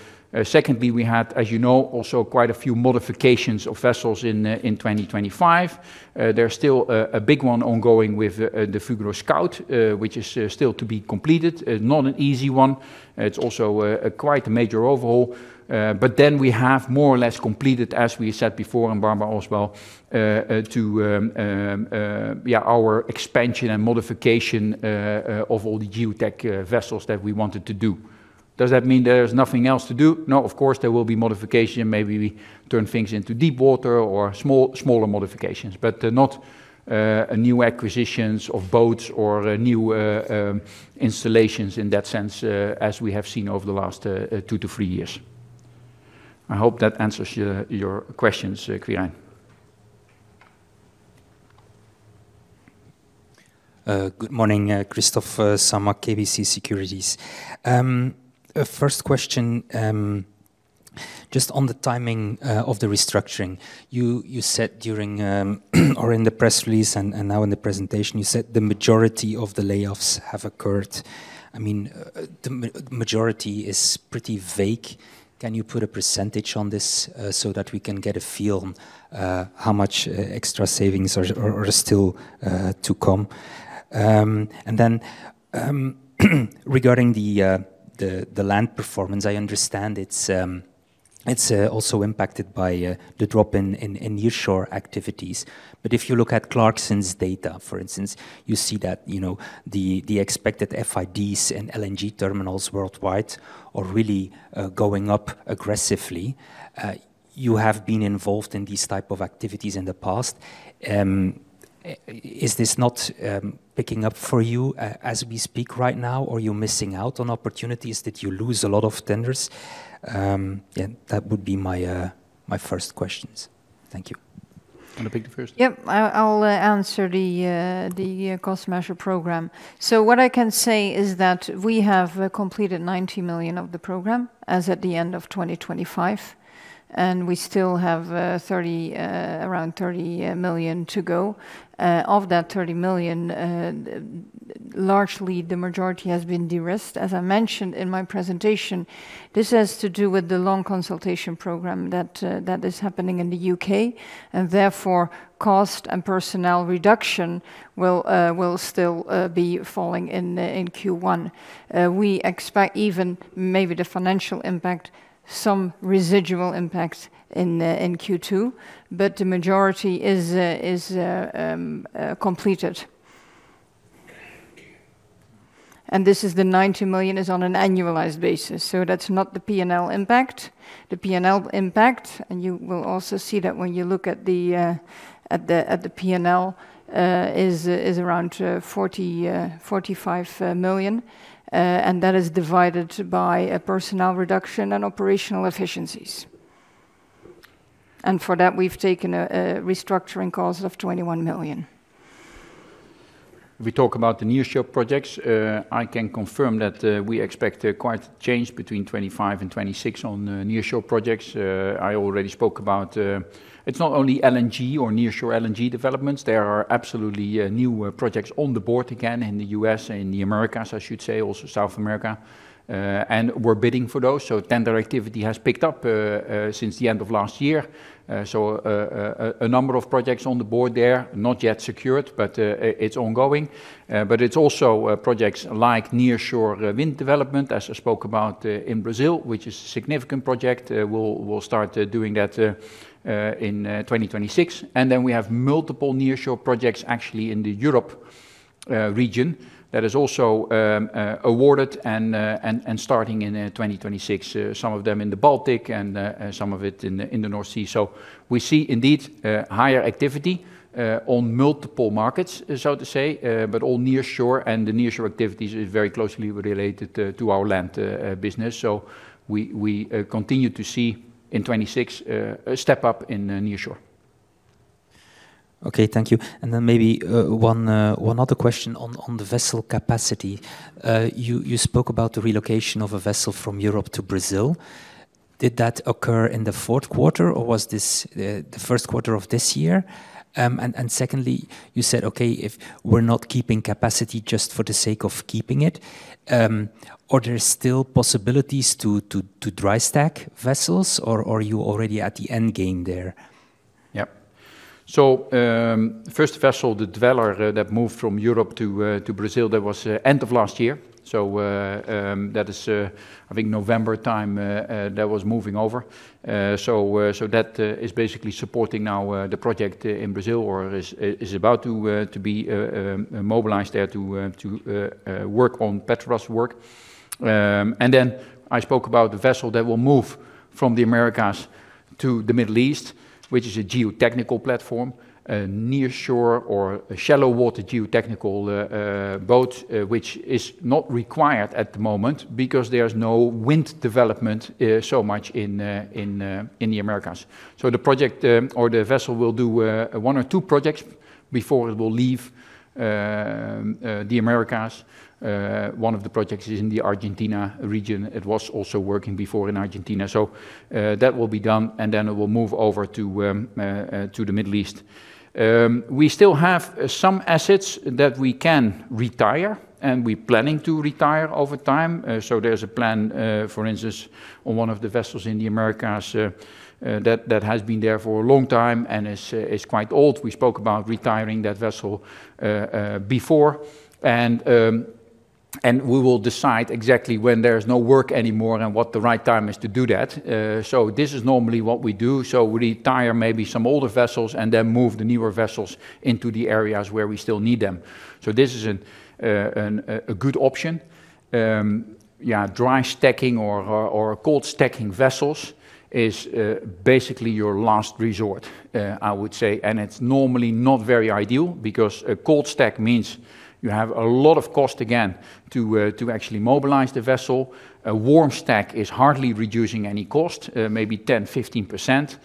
Secondly, we had, as you know, also quite a few modifications of vessels in 2025. There's still a big one ongoing with the Fugro Scout, which is still to be completed. Not an easy one. It's also quite a major overhaul, but then we have more or less completed, as we said before, and Barbara as well, to, yeah, our expansion and modification of all the geotech vessels that we wanted to do. Does that mean there is nothing else to do? No, of course, there will be modification. Maybe we turn things into deepwater or smaller modifications, not a new acquisitions of boats or new installations in that sense, as we have seen over the last two to three years. I hope that answers your questions, Quirijn. Good morning, Kristof Samoy, KBC Securities. First question, just on the timing of the restructuring. You said during or in the press release and now in the presentation, you said the majority of the layoffs have occurred. I mean, the majority is pretty vague. Can you put a percentage on this so that we can get a feel on how much extra savings are still to come? Regarding the Land performance, I understand it's also impacted by the drop in nearshore activities. If you look at Clarksons' data, for instance, you see that, you know, the expected FIDs and LNG terminals worldwide are really going up aggressively. You have been involved in these type of activities in the past. Is this not picking up for you as we speak right now, or are you missing out on opportunities, did you lose a lot of tenders? Yeah, that would be my first questions. Thank you. Want to pick the first? Yep. I'll answer the cost measure program. What I can say is that we have completed 90 million of the program, as at the end of 2025, and we still have 30, around 30 million to go. Of that 30 million, largely, the majority has been de-risked. As I mentioned in my presentation, this has to do with the long consultation program that is happening in the U.K., and therefore, cost and personnel reduction will still be falling in Q1. We expect even maybe the financial impact, some residual impacts in Q2, but the majority is completed. This is the 90 million is on an annualized basis, so that's not the P&L impact. The P&L impact, and you will also see that when you look at the P&L, is around 45 million, and that is divided by a personnel reduction and operational efficiencies. For that, we've taken a restructuring cost of 21 million. If we talk about the nearshore projects, I can confirm that we expect a quite change between 2025 and 2026 on nearshore projects. I already spoke about. It's not only LNG or nearshore LNG developments. There are absolutely new projects on the board again in the U.S., and in the Americas, I should say, also South America, and we're bidding for those, so tender activity has picked up since the end of last year. A number of projects on the board there, not yet secured, but it's ongoing. It's also projects like nearshore wind development, as I spoke about in Brazil, which is a significant project. We'll start doing that in 2026. We have multiple nearshore projects actually in the Europe region that is also awarded and starting in 2026. Some of them in the Baltic and some of it in the North Sea. We see indeed higher activity on multiple markets, so to say, but all nearshore, and the nearshore activities is very closely related to our Land business. We continue to see in 2026 a step up in nearshore. Okay, thank you. Maybe one other question on the vessel capacity. You spoke about the relocation of a vessel from Europe to Brazil. Did that occur in the fourth quarter, or was this the first quarter of this year? Secondly, you said, "Okay, if we're not keeping capacity just for the sake of keeping it," are there still possibilities to dry stack vessels, or are you already at the endgame there? First vessel, the Dweller, that moved from Europe to Brazil, that was end of last year. That is I think November time that was moving over. That is basically supporting now the project in Brazil, or is about to be mobilized there to work on Petrobras work. I spoke about the vessel that will move from the Americas to the Middle East, which is a geotechnical platform, a nearshore or a shallow-water geotechnical boat, which is not required at the moment because there's no wind development so much in the Americas. The project, or the vessel, will do one or two projects before it will leave the Americas. One of the projects is in the Argentina region. It was also working before in Argentina. That will be done, and then it will move over to the Middle East. We still have some assets that we can retire, and we're planning to retire over time. There's a plan, for instance, on one of the vessels in the Americas that has been there for a long time and is quite old. We spoke about retiring that vessel before, and we will decide exactly when there is no work anymore and what the right time is to do that. This is normally what we do, so we retire maybe some older vessels and then move the newer vessels into the areas where we still need them. This is a good option. Yeah, dry stacking or cold stacking vessels is basically your last resort, I would say, and it's normally not very ideal because a cold stack means you have a lot of cost again to actually mobilize the vessel. A warm stack is hardly reducing any cost, maybe 10%-15%.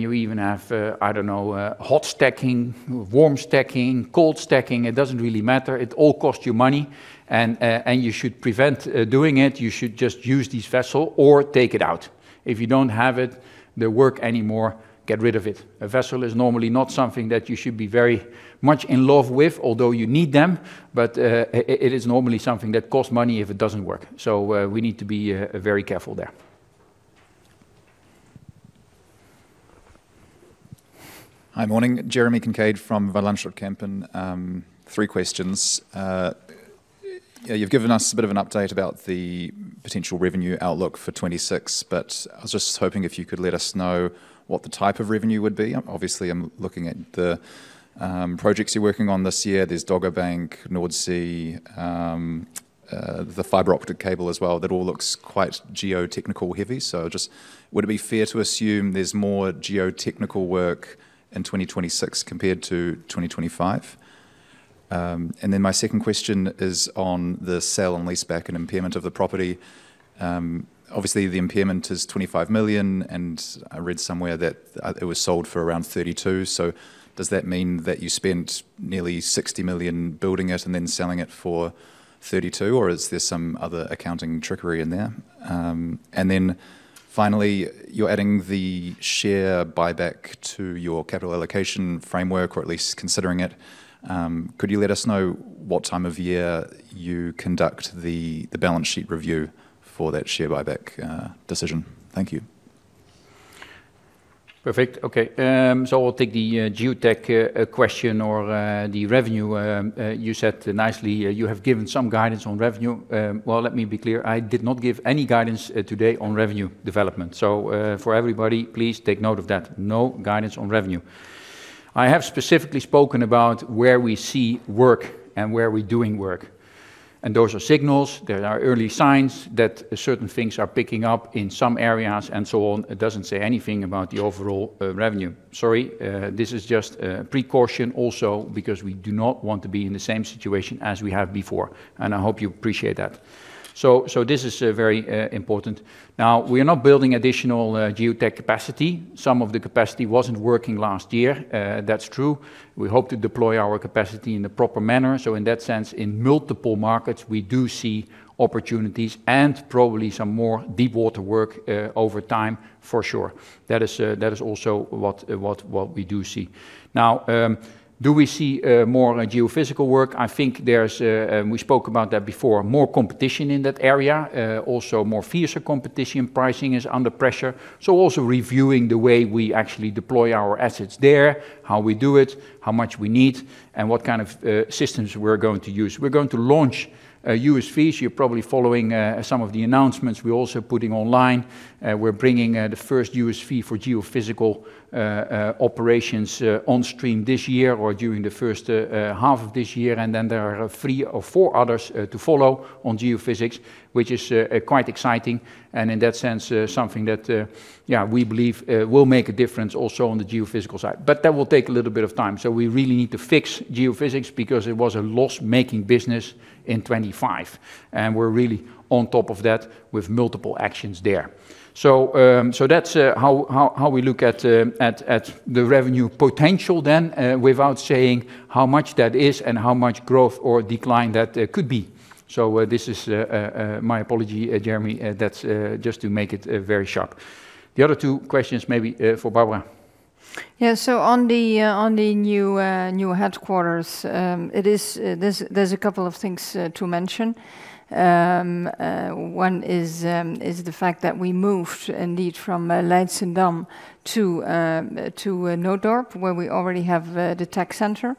You even have, I don't know, hot stacking, warm stacking, cold stacking, it doesn't really matter, it all costs you money and you should prevent doing it. You should just use this vessel or take it out. If you don't have it, the work anymore, get rid of it. A vessel is normally not something that you should be very much in love with, although you need them. It is normally something that costs money if it doesn't work, so, we need to be very careful there. Hi, morning. Jeremy Kincaid from Van Lanschot Kempen. Three questions. You've given us a bit of an update about the potential revenue outlook for 2026, but I was just hoping if you could let us know what the type of revenue would be. Obviously, I'm looking at the projects you're working on this year. There's Dogger Bank, NordSee, the fiber optic cable as well, that all looks quite geotechnical heavy. Just would it be fair to assume there's more geotechnical work in 2026 compared to 2025? My second question is on the sale and leaseback and impairment of the property. Obviously, the impairment is 25 million, and I read somewhere that it was sold for around 32 million. Does that mean that you spent nearly 60 million building it and then selling it for 32 million, or is there some other accounting trickery in there? Then finally, you're adding the share buyback to your capital allocation framework, or at least considering it. Could you let us know what time of year you conduct the balance sheet review for that share buyback decision? Thank you. Perfect. Okay, I'll take the geotech question or the revenue. You said nicely, you have given some guidance on revenue. Well, let me be clear. I did not give any guidance today on revenue development. For everybody, please take note of that, no guidance on revenue. I have specifically spoken about where we see work and where we're doing work, those are signals that are early signs that certain things are picking up in some areas, and so on. It doesn't say anything about the overall revenue. Sorry, this is just a precaution also because we do not want to be in the same situation as we have before, and I hope you appreciate that. This is very important. Now, we are not building additional geotech capacity. Some of the capacity wasn't working last year, that's true. We hope to deploy our capacity in the proper manner. In that sense, in multiple markets, we do see opportunities and probably some deepwater work over time for sure. That is, that is also what we do see. Now, do we see more geophysical work? We spoke about that before, more competition in that area, also more fiercer competition. Pricing is under pressure, also reviewing the way we actually deploy our assets there, how we do it, how much we need, and what kind of systems we're going to use. We're going to launch USVs. You're probably following some of the announcements we're also putting online. We're bringing the first USV for geophysical operations on stream this year or during the first half of this year. There are three or four others to follow on geophysics, which is quite exciting, and in that sense, something that, yeah, we believe will make a difference also on the geophysical side. That will take a little bit of time, so we really need to fix geophysics because it was a loss-making business in 2025, and we're really on top of that with multiple actions there. That's how we look at the revenue potential then, without saying how much that is and how much growth or decline that could be. This is my apology, Jeremy. That's just to make it very sharp. The other two questions maybe, for Barbara. On the new headquarters, it is there's a couple of things to mention. One is the fact that we moved indeed from Leidschendam to Nootdorp, where we already have the tech center.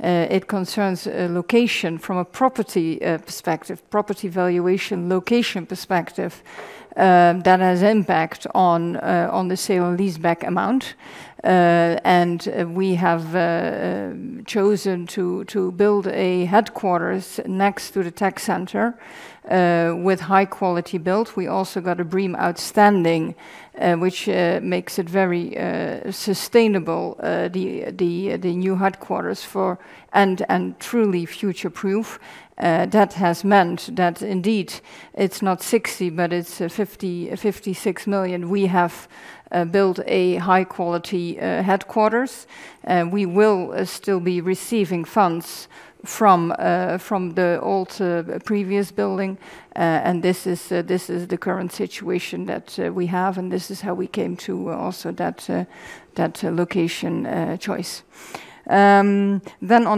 It concerns a location from a property perspective, property valuation, location perspective, that has impact on the sale and leaseback amount. We have chosen to build a headquarters next to the tech center with high quality build. We also got a BREEAM Outstanding, which makes it very sustainable, the new headquarters for and truly future-proof. That has meant that indeed it's not 60 million, but it's 56 million. We have built a high-quality headquarters, we will still be receiving funds from the old previous building. This is the current situation that we have, and this is how we came to also that location choice. On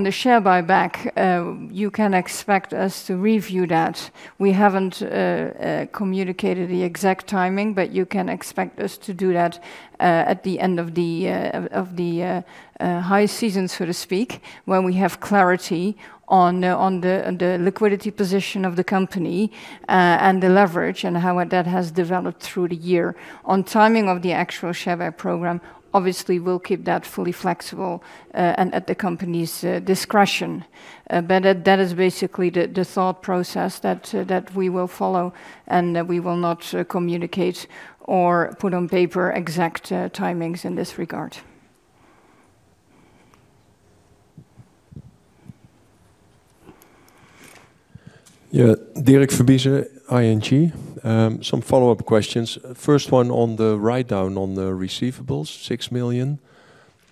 the share buyback, you can expect us to review that. We haven't communicated the exact timing, but you can expect us to do that at the end of the high season, so to speak, when we have clarity on the liquidity position of the company and the leverage and how that has developed through the year. On timing of the actual share buy program, obviously, we'll keep that fully flexible and at the company's discretion. That is basically the thought process that we will follow, and we will not communicate or put on paper exact timings in this regard. Yeah. Dirk Verbiesen, ING. Some follow-up questions. First one on the write-down on the receivables, 6 million.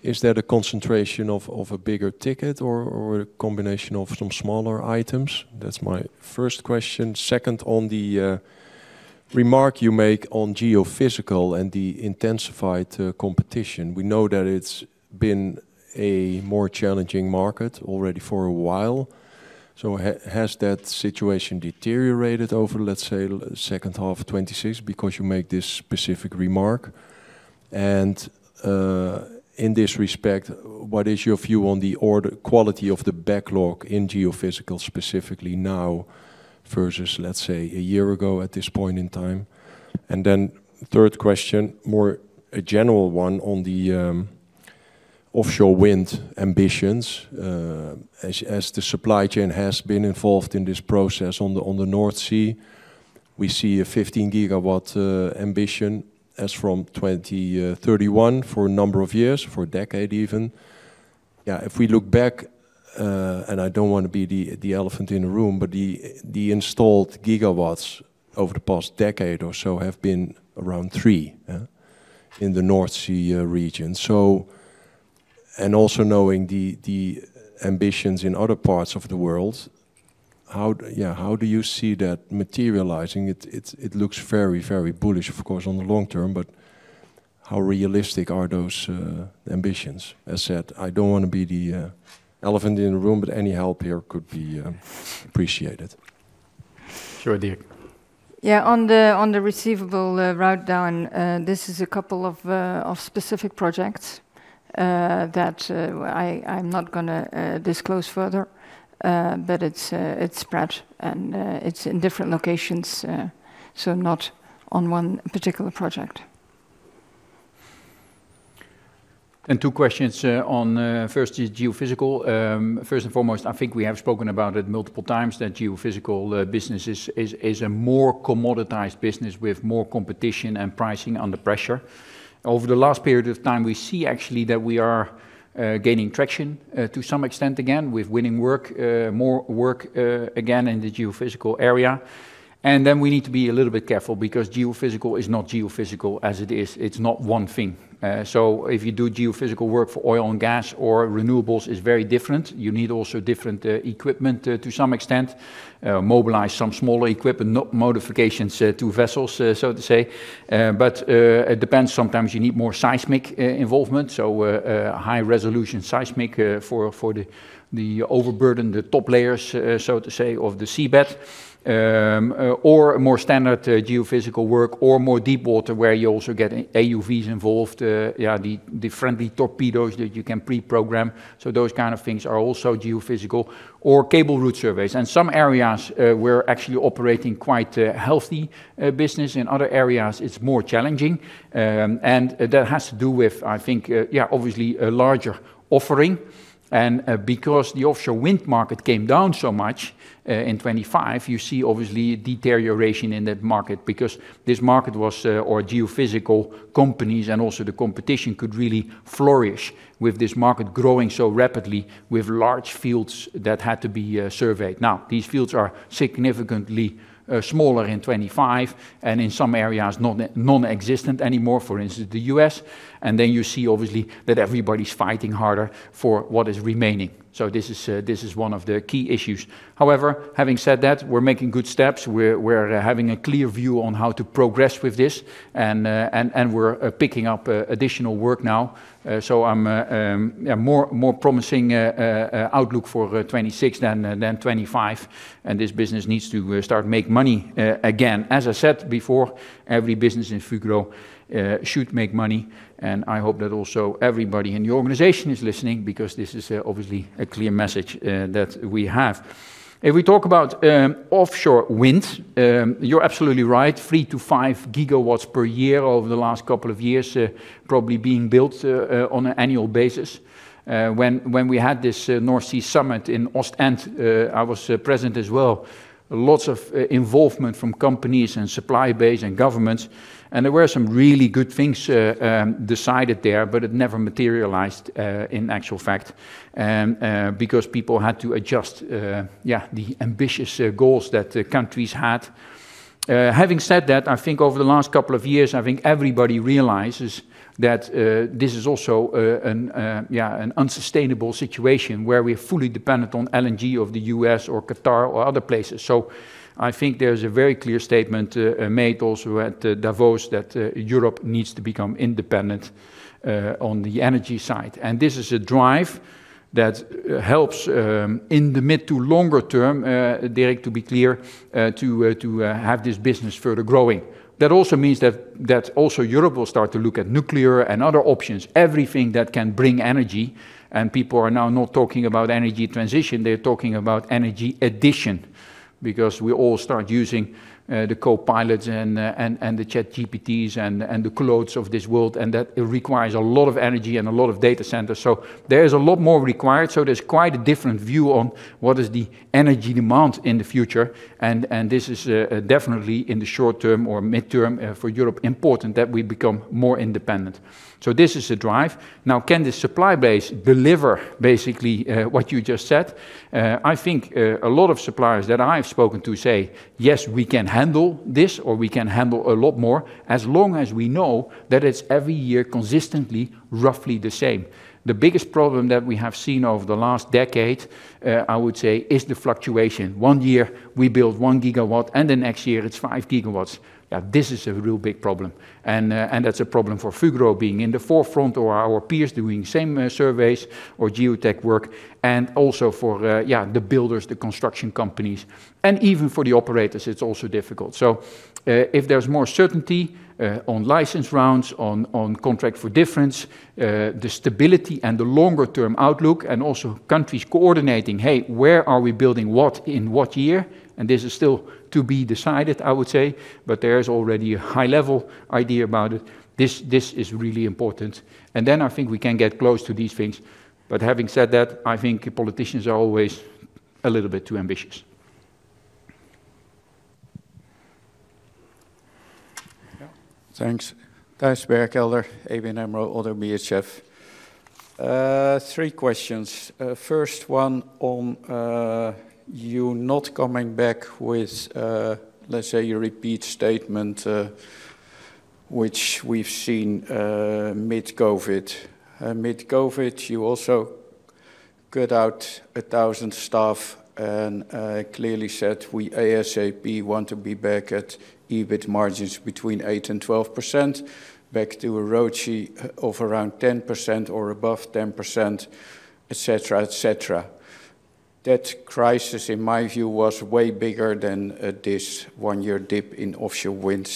Is that a concentration of a bigger ticket or a combination of some smaller items? That's my first question. Second, on the remark you make on geophysical and the intensified competition, we know that it's been a more challenging market already for a while. Has that situation deteriorated over, let's say, second half of 2026 because you make this specific remark? In this respect, what is your view on the order quality of the backlog in geophysical, specifically now versus, let's say, a year ago at this point in time? Third question, more a general one on the offshore wind ambitions. As the supply chain has been involved in this process on the North Sea, we see a 15-GW ambition as from 2031 for a number of years, for a decade even. Yeah, if we look back, and I don't wanna be the elephant in the room, but the installed gigawatts over the past decade or so have been around 3 GW in the North Sea region. Also knowing the ambitions in other parts of the world, how do you see that materializing? It looks very, very bullish, of course, on the long term, but how realistic are those ambitions? As said, I don't wanna be the elephant in the room, but any help here could be appreciated. Sure, Dirk. On the receivable write-down, this is a couple of specific projects that I'm not gonna disclose further, but it's spread and it's in different locations, so not on one particular project. Two questions, on, first is geophysical. First and foremost, I think we have spoken about it multiple times, that geophysical business is a more commoditized business with more competition and pricing under pressure. Over the last period of time, we see actually that we are gaining traction to some extent again, with winning work, more work again, in the geophysical area. Then we need to be a little bit careful because geophysical is not geophysical as it is. It's not one thing. If you do geophysical work for oil and gas or renewables, it's very different. You need also different equipment to some extent, mobilize some smaller equipment, no modifications to vessels, so to say. It depends. Sometimes you need more seismic involvement, so high-resolution seismic for the overburden, the top layers, so to say, of the seabed. Or more standard geophysical work, or more deepwater, where you also get AUVs involved, yeah, the friendly torpedoes that you can pre-program. Those kind of things are also geophysical or cable route surveys. In some areas, we're actually operating quite a healthy business. In other areas, it's more challenging. That has to do with, I think, yeah, obviously, a larger offering. Because the offshore wind market came down so much in 2025, you see obviously a deterioration in that market because this market was. Geophysical companies and also the competition could really flourish with this market growing so rapidly with large fields that had to be surveyed. Now, these fields are significantly smaller in 2025, and in some areas, nonexistent anymore, for instance, the U.S. Then you see, obviously, that everybody's fighting harder for what is remaining. This is one of the key issues. However, having said that, we're making good steps. We're having a clear view on how to progress with this, and we're picking up additional work now. So I'm a more promising outlook for 2026 than 2025, and this business needs to start make money again. As I said before, every business in Fugro should make money. I hope that also everybody in the organization is listening because this is obviously a clear message that we have. If we talk about offshore wind, you're absolutely right, 3 GW-5 GW per year over the last couple of years, probably being built on an annual basis. When we had this North Sea Summit in Ostend, I was present as well. Lots of involvement from companies and supply base and governments, there were some really good things decided there, it never materialized in actual fact because people had to adjust the ambitious goals that the countries had. Having said that, I think over the last couple of years, I think everybody realizes that this is also an unsustainable situation, where we're fully dependent on LNG of the U.S. or Qatar or other places. I think there's a very clear statement made also at Davos, that Europe needs to become independent on the energy side. This is a drive that helps in the mid to longer term, Dirk, to be clear, have this business further growing. That also means that Europe will start to look at nuclear and other options, everything that can bring energy, and people are now not talking about energy transition, they're talking about energy addition, because we all start using the Copilots and the ChatGPTs and the Claudes of this world, and that it requires a lot of energy and a lot of data centers. There is a lot more required, so there's quite a different view on what is the energy demand in the future. This is definitely in the short term or mid-term for Europe, important that we become more independent. This is a drive. Can the supply base deliver basically what you just said? I think a lot of suppliers that I've spoken to say, "Yes, we can handle this, or we can handle a lot more, as long as we know that it's every year consistently roughly the same." The biggest problem that we have seen over the last decade, I would say, is the fluctuation. One year we build 1 GW, and the next year it's 5 GW. This is a real big problem. That's a problem for Fugro being in the forefront, or our peers doing same surveys or geotech work, and also for the builders, the construction companies, and even for the operators, it's also difficult. If there's more certainty on license rounds, on contract for difference, the stability and the longer-term outlook, and also countries coordinating, "Hey, where are we building what in what year?" This is still to be decided, I would say, but there is already a high-level idea about it. This is really important, and then I think we can get close to these things. Having said that, I think politicians are always a little bit too ambitious. Yeah. Thanks. Thijs Berkelder, ABN AMRO – ODDO BHF. 3 questions. First one on you not coming back with, let's say, your repeat statement, which we've seen mid-COVID. Mid-COVID, you also cut out 1,000 staff and clearly said, "We ASAP want to be back at EBIT margins between 8% and 12%, back to a ROCE of around 10% or above 10%," et cetera, et cetera. That crisis, in my view, was way bigger than this one-year dip in offshore wind.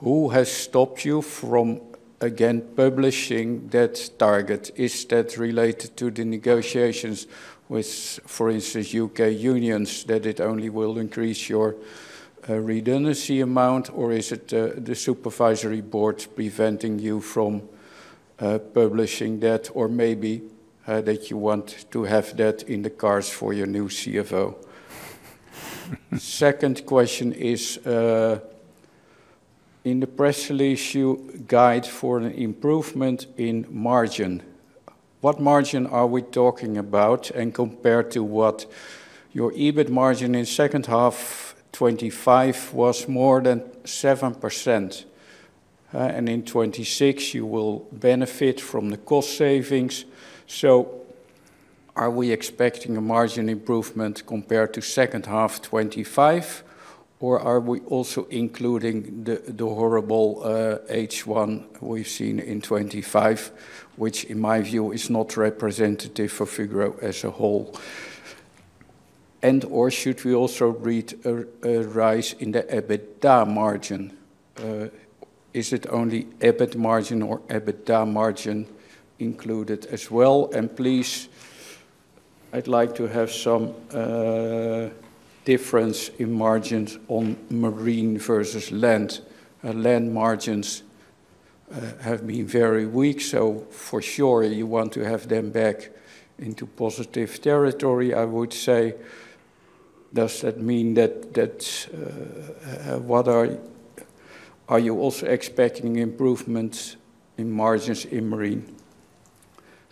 Who has stopped you from, again, publishing that target? Is that related to the negotiations with, for instance, U.K. unions, that it only will increase your redundancy amount? Or is it the supervisory board preventing you from publishing that? Or maybe that you want to have that in the cards for your new CFO. Second question is, in the press release, you guide for an improvement in margin. What margin are we talking about, and compared to what? Your EBIT margin in second half 2025 was more than 7%, and in 2026 you will benefit from the cost savings. Are we expecting a margin improvement compared to second half 2025, or are we also including the horrible, H1 we've seen in 2025, which in my view, is not representative of Fugro as a whole? Or should we also read a rise in the EBITDA margin? Is it only EBIT margin or EBITDA margin included as well? Please, I'd like to have some difference in margins on Marine versus Land. Land margins have been very weak. For sure you want to have them back into positive territory, I would say. Does that mean that, are you also expecting improvements in margins in Marine?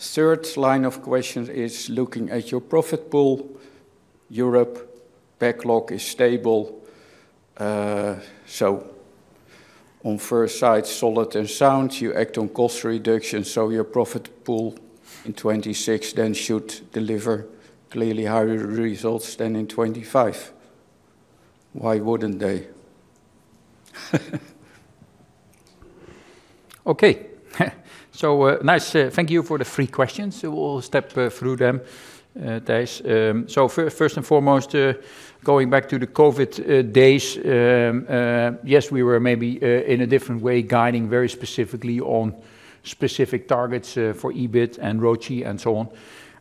Third line of question is looking at your profit pool. Europe backlog is stable. On first sight, solid and sound. You act on cost reduction. Your profit pool in 2026 then should deliver clearly higher results than in 2025. Why wouldn't they? Okay, nice. Thank you for the three questions. We will step through them, Thijs. First and foremost, going back to the COVID days, yes, we were maybe in a different way, guiding very specifically on specific targets for EBIT and ROCE and so on.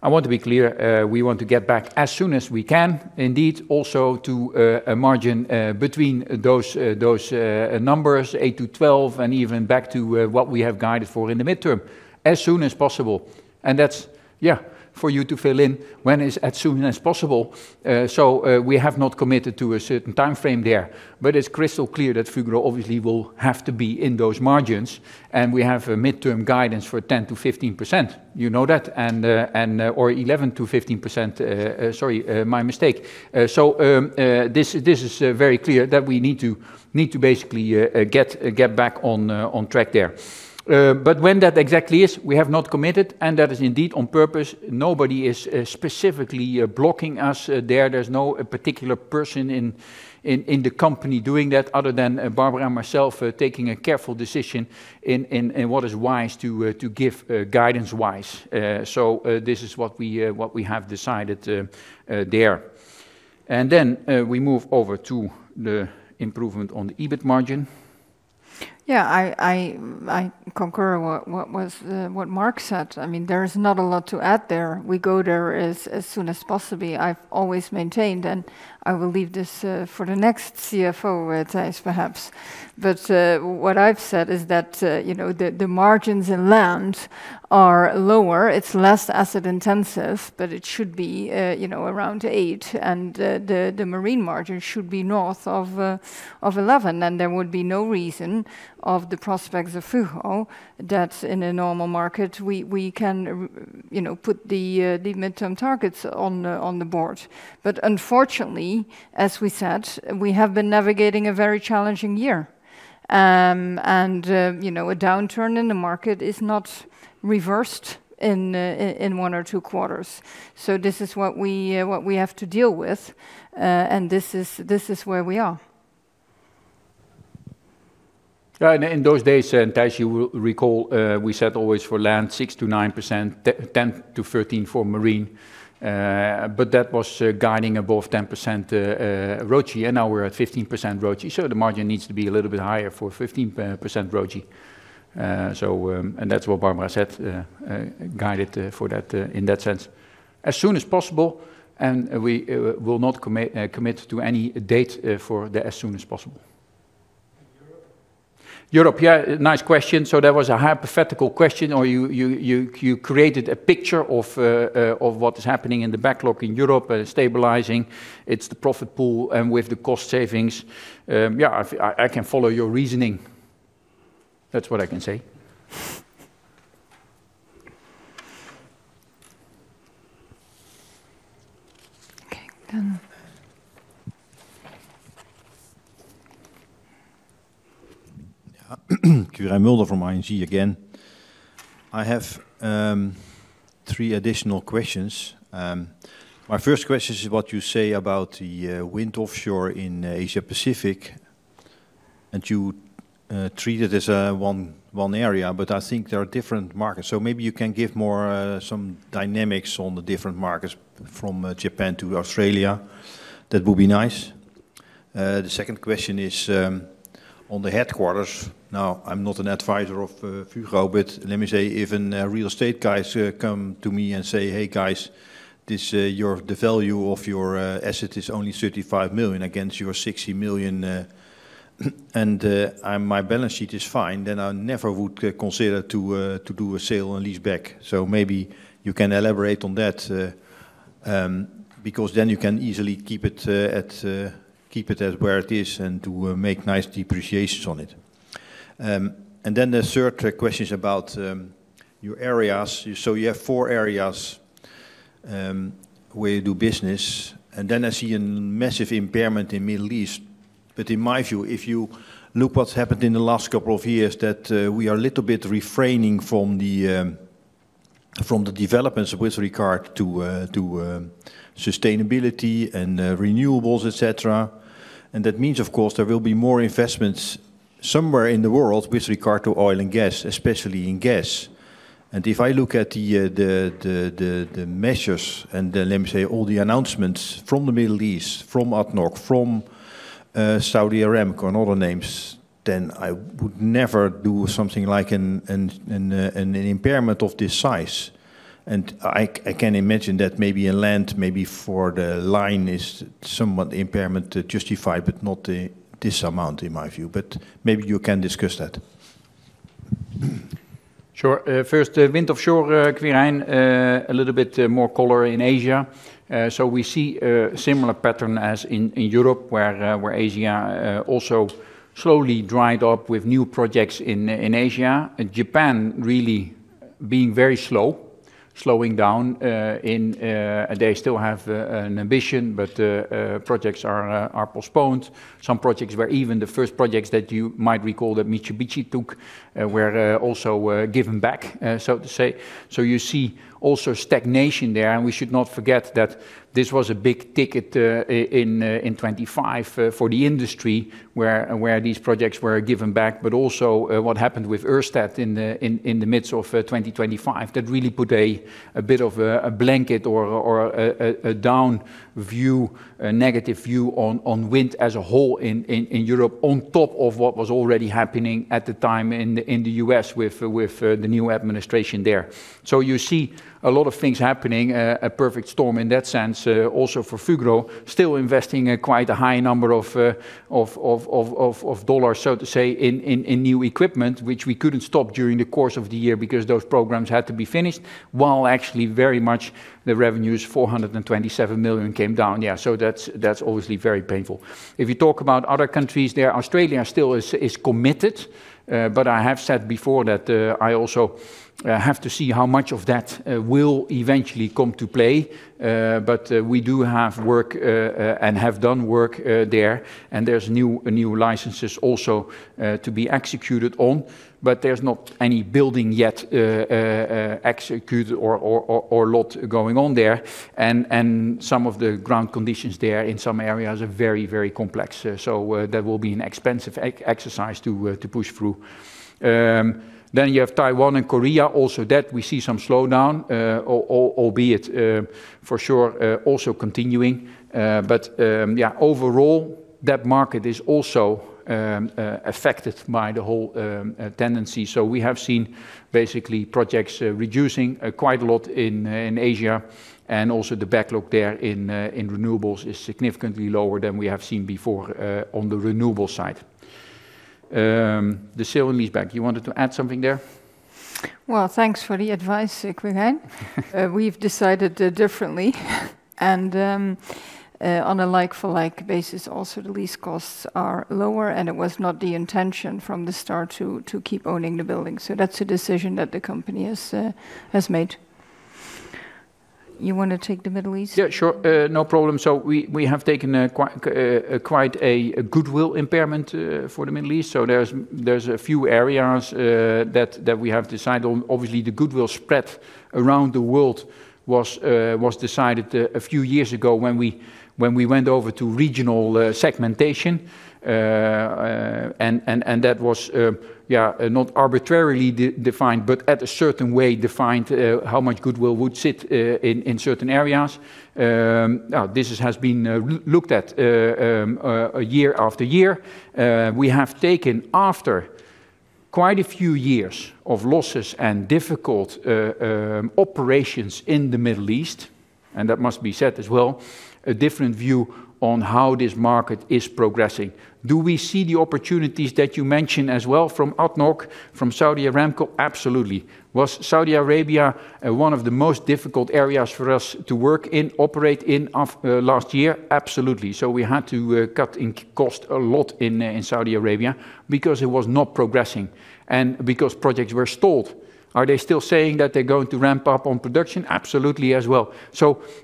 I want to be clear, we want to get back as soon as we can, indeed, also to a margin between those those numbers, 8%-12%, and even back to what we have guided for in the midterm, as soon as possible. That's, yeah, for you to fill in, when it's in as soon as possible. We have not committed to a certain timeframe there, but it's crystal clear that Fugro obviously will have to be in those margins, and we have a midterm guidance for 10%-15%. You know that and or 11%-15%, sorry, my mistake. This is very clear that we need to basically get back on track there. When that exactly is, we have not committed, and that is indeed on purpose. Nobody is specifically blocking us there. There's no a particular person in the company doing that other than Barbara and myself taking a careful decision in what is wise to give guidance-wise. This is what we have decided there. We move over to the improvement on the EBIT margin. Yeah, I concur what was what Mark said. I mean, there is not a lot to add there. We go there as soon as possibly. I've always maintained, I will leave this, for the next CFO, Thijs, perhaps. What I've said is that, you know, the margins in Land are lower. It's less asset-intensive, but it should be, you know, around 8%, and the Marine margin should be north of 11%. There would be no reason of the prospects of Fugro that in a normal market, we can you know, put the midterm targets on the board. Unfortunately, as we said, we have been navigating a very challenging year. You know, a downturn in the market is not reversed in one or two quarters. This is what we have to deal with, and this is where we are. Right. In those days, Thijs, you will recall, we set always for Land, 6%-9%, 10%-13% for Marine, but that was guiding above 10% ROCE. Now we're at 15% ROCE. The margin needs to be a little bit higher for 15% ROCE. That's what Barbara said, guided for that in that sense, as soon as possible. We will not commit to any date for the as soon as possible. Europe, yeah, nice question. That was a hypothetical question, or you created a picture of what is happening in the backlog in Europe, stabilizing. It's the profit pool and with the cost savings, yeah, I can follow your reasoning. That's what I can say. Okay, then. Quirijn Mulder from ING again. I have three additional questions. My first question is what you say about the wind offshore in Asia Pacific, you treat it as one area, but I think there are different markets. Maybe you can give more some dynamics on the different markets from Japan to Australia. That would be nice. The second question is on the headquarters. I'm not an advisor of Fugro, let me say, if an real estate guys come to me and say, "Hey, guys, this the value of your asset is only 35 million against your 60 million, my balance sheet is fine," I never would consider to do a sale and leaseback. Maybe you can elaborate on that. Because then you can easily keep it at keep it as where it is and to make nice depreciations on it. The third question is about your areas. You have four areas where you do business, I see a massive impairment in Middle East. In my view, if you look what's happened in the last couple of years, that we are a little bit refraining from the developments with regard to to sustainability and renewables, et cetera. That means, of course, there will be more investments somewhere in the world with regard to oil and gas, especially in gas. If I look at the measures and then, let me say, all the announcements from the Middle East, from ADNOC, from Saudi Aramco and other names, then I would never do something like an impairment of this size. I can imagine that maybe a land, maybe for the line is somewhat impairment to justify, but not this amount, in my view. Maybe you can discuss that. Sure. First, wind offshore, Quirijn, a little bit more color in Asia. We see a similar pattern as in Europe, where Asia also slowly dried up with new projects in Asia. Japan really being very slow, slowing down, in. They still have an ambition, but projects are postponed. Some projects were even the first projects that you might recall that Mitsubishi took, were also given back, so to say. You see also stagnation there. We should not forget that this was a big ticket in 2025 for the industry, where these projects were given back. Also, what happened with Ørsted in the midst of 2025, that really put a bit of a blanket or a down view, a negative view on wind as a whole in Europe, on top of what was already happening at the time in the U.S. with the new administration there. You see a lot of things happening, a perfect storm in that sense, also for Fugro, still investing a quite a high number of dollars, so to say, in new equipment, which we couldn't stop during the course of the year because those programs had to be finished, while actually very much the revenue is 427 million came down. Yeah, that's obviously very painful. If you talk about other countries there, Australia still is committed, but I have said before that I also have to see how much of that will eventually come to play. We do have work and have done work there, and there's new licenses also to be executed on, but there's not any building yet executed or lot going on there. Some of the ground conditions there in some areas are very, very complex. That will be an expensive exercise to push through. You have Taiwan and Korea also, that we see some slowdown, albeit for sure also continuing. Yeah, overall, that market is also affected by the whole tendency. We have seen basically projects reducing quite a lot in Asia, and also the backlog there in renewables is significantly lower than we have seen before on the renewables side. The sale and leaseback, you wanted to add something there? Well, thanks for the advice, Quirijn. We've decided differently. On a like-for-like basis, also, the lease costs are lower, and it was not the intention from the start to keep owning the building. That's a decision that the company has made. You want to take the Middle East? Yeah, sure. No problem. We have taken quite a goodwill impairment for the Middle East. There's a few areas that we have decided on. Obviously, the goodwill spread around the world was decided a few years ago when we went over to regional segmentation. That was, yeah, not arbitrarily defined, but at a certain way, defined how much goodwill would sit in certain areas. This has been looked at year after year. We have taken after quite a few years of losses and difficult operations in the Middle East, and that must be said as well, a different view on how this market is progressing. Do we see the opportunities that you mentioned as well from ADNOC, from Saudi Aramco? Absolutely. Was Saudi Arabia one of the most difficult areas for us to work in, operate in after the last year? Absolutely. We had to cut in cost a lot in Saudi Arabia because it was not progressing and because projects were stalled. Are they still saying that they're going to ramp up on production? Absolutely, as well.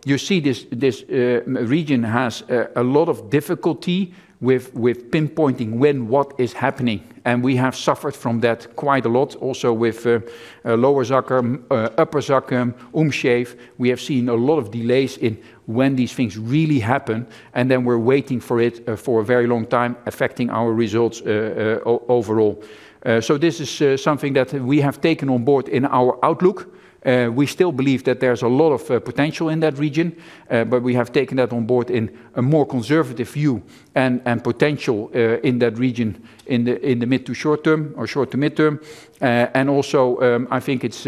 You see, this region has a lot of difficulty with pinpointing when, what is happening, and we have suffered from that quite a lot. Also, with Lower Zakum, Upper Zakum, Umm Shaif, we have seen a lot of delays in when these things really happen, and then we're waiting for it for a very long time, affecting our results overall. This is something that we have taken on board in our outlook. We still believe that there's a lot of potential in that region. We have taken that on board in a more conservative view and potential in that region, in the mid to short term or short to mid-term. Also, I think it's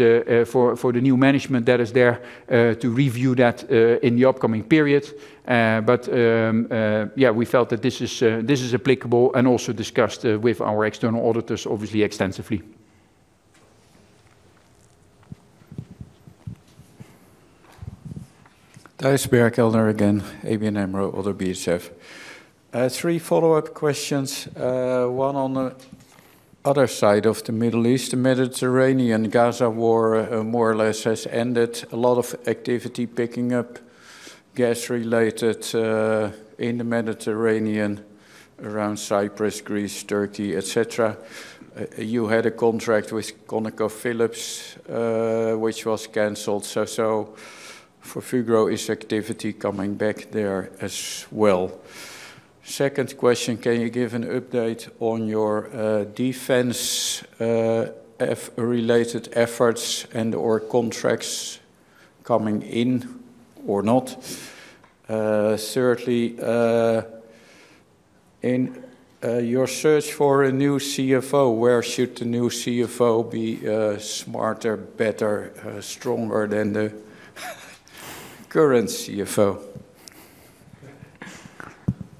for the new management that is there to review that in the upcoming period. Yeah, we felt that this is applicable and also discussed with our external auditors, obviously extensively. Thijs Berkelder again, ABN AMRO – ODDO BHF. Three follow-up questions. One on the other side of the Middle East, the Mediterranean Gaza war, more or less has ended. A lot of activity picking up, gas-related, in the Mediterranean, around Cyprus, Greece, Turkey, et cetera. You had a contract with ConocoPhillips, which was canceled. For Fugro, is activity coming back there as well? Second question: Can you give an update on your defense-related efforts and/or contracts coming in or not? Thirdly, in your search for a new CFO, where should the new CFO be smarter, better, stronger than the current CFO?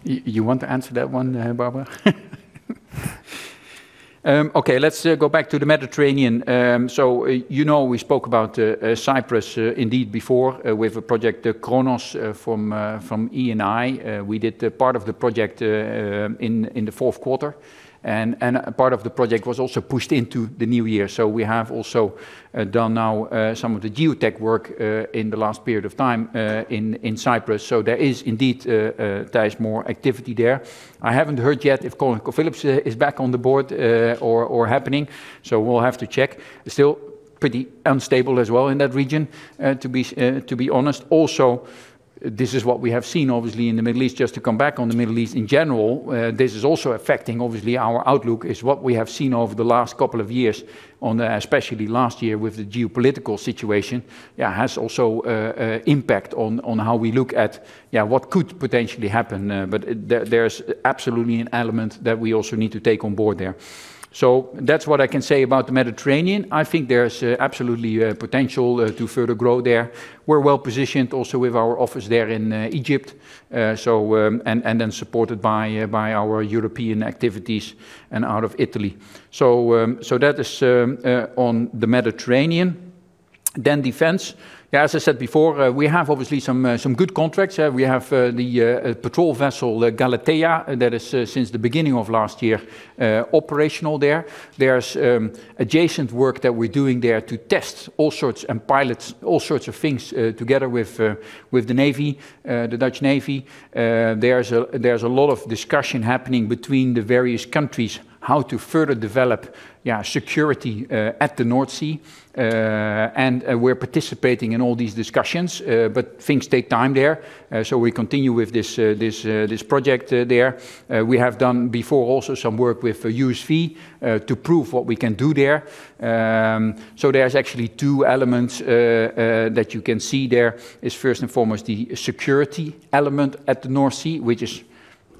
You want to answer that one, Barbara? Okay, let's go back to the Mediterranean. You know, we spoke about Cyprus indeed before with a project Cronos from Eni. We did a part of the project in the fourth quarter, and a part of the project was also pushed into the new year. We have also done now some of the geotech work in the last period of time in Cyprus. There is indeed more activity there. I haven't heard yet if ConocoPhillips is back on board or happening, so we'll have to check. It's still pretty unstable as well in that region to be honest. This is what we have seen, obviously, in the Middle East. Just to come back on the Middle East in general, this is also affecting, obviously, our outlook, is what we have seen over the last couple of years, especially last year with the geopolitical situation. has also impact on how we look at what could potentially happen, there's absolutely an element that we also need to take on board there. That's what I can say about the Mediterranean. I think there's absolutely potential to further grow there. We're well-positioned also with our office there in Egypt. supported by our European activities and out of Italy. that is on the Mediterranean. Then defense. Yeah, as I said before, we have obviously some good contracts. We have the patrol vessel, the Galatea, that is since the beginning of last year operational there. There's adjacent work that we're doing there to test all sorts, and pilots, all sorts of things, together with the navy, the Dutch Navy. There's a lot of discussion happening between the various countries how to further develop, yeah, security, at the North Sea. We're participating in all these discussions, but things take time there, so we continue with this project there. We have done before also some work with USVs to prove what we can do there. There's actually two elements that you can see there. Is, first and foremost, the security element at the North Sea, which is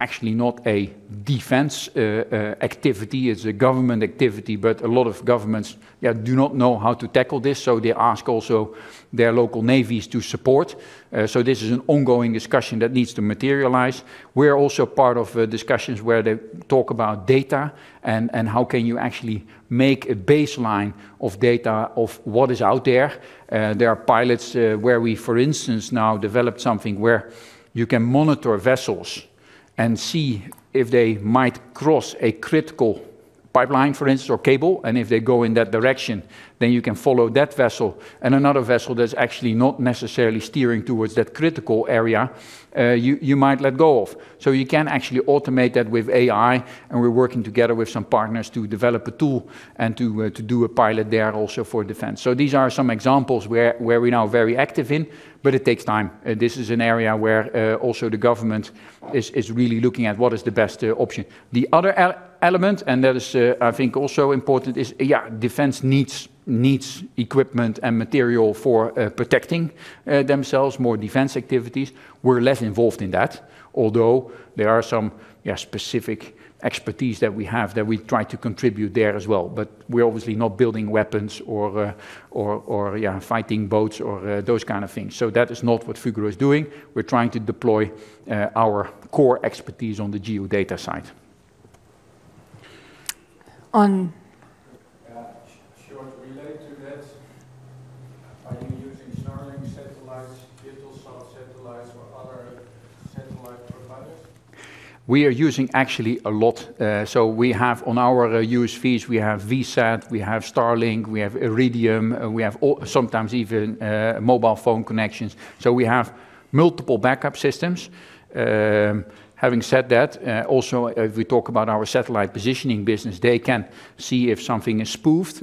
actually not a defense activity. It's a government activity, but a lot of governments, yeah, do not know how to tackle this, so they ask also their local navies to support. This is an ongoing discussion that needs to materialize. We're also part of discussions where they talk about data and how can you actually make a baseline of data of what is out there. There are pilots where we, for instance, now developed something where you can monitor vessels and see if they might cross a critical pipeline, for instance, or cable, and if they go in that direction, then you can follow that vessel. Another vessel that's actually not necessarily steering towards that critical area, you might let go of. You can actually automate that with AI, and we're working together with some partners to develop a tool and to do a pilot there also for defense. These are some examples where we're now very active in, but it takes time. This is an area where also the government is really looking at what is the best option. The other element, and that is, I think, also important, is, yeah, defense needs equipment and material for protecting themselves, more defense activities. We're less involved in that, although there are some, yeah, specific expertise that we have that we try to contribute there as well. We're obviously not building weapons or, yeah, fighting boats or those kind of things. That is not what Fugro is doing. We're trying to deploy our core expertise on the geodata side. On— [inaudible] [inaudible] are you using Starlink satellites, satellites, or other satellite providers? We are using actually a lot. So we have on our USVs, we have VSAT, we have Starlink, we have Iridium, and we have sometimes even mobile phone connections. So we have multiple backup systems. Having said that, also, if we talk about our satellite positioning business, they can see if something is spoofed.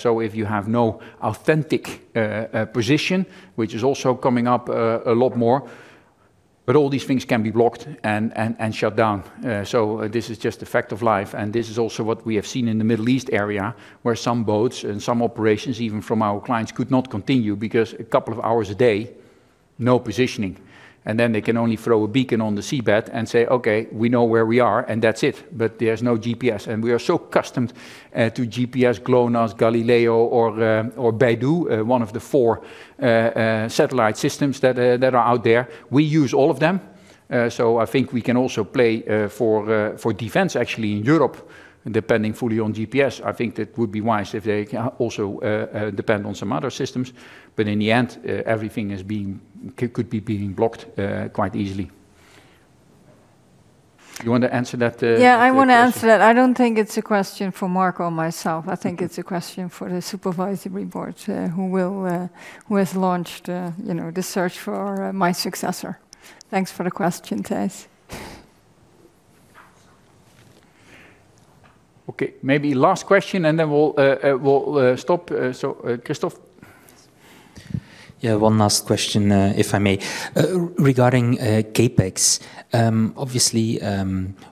So if you have no authentic position, which is also coming up a lot more, but all these things can be blocked and shut down. So this is just a fact of life, and this is also what we have seen in the Middle East area, where some boats and some operations, even from our clients, could not continue because a couple of hours a day, no positioning. They can only throw a beacon on the seabed and say, "Okay, we know where we are," and that's it. There's no GPS, and we are so accustomed to GPS, GLONASS, Galileo, or BeiDou, one of the four satellite systems that are out there. We use all of them, so I think we can also play for defense actually in Europe, depending fully on GPS. I think that would be wise if they can also depend on some other systems. In the end, everything is being, could be being blocked quite easily. You want to answer that question? I want to answer that. I don't think it's a question for Mark or myself. Okay. I think it's a question for the supervisory board, who will, who has launched, you know, the search for my successor. Thanks for the question, Thijs. Okay, maybe last question, and then we'll stop. Kristof? Yeah, one last question, if I may. Regarding CapEx, obviously,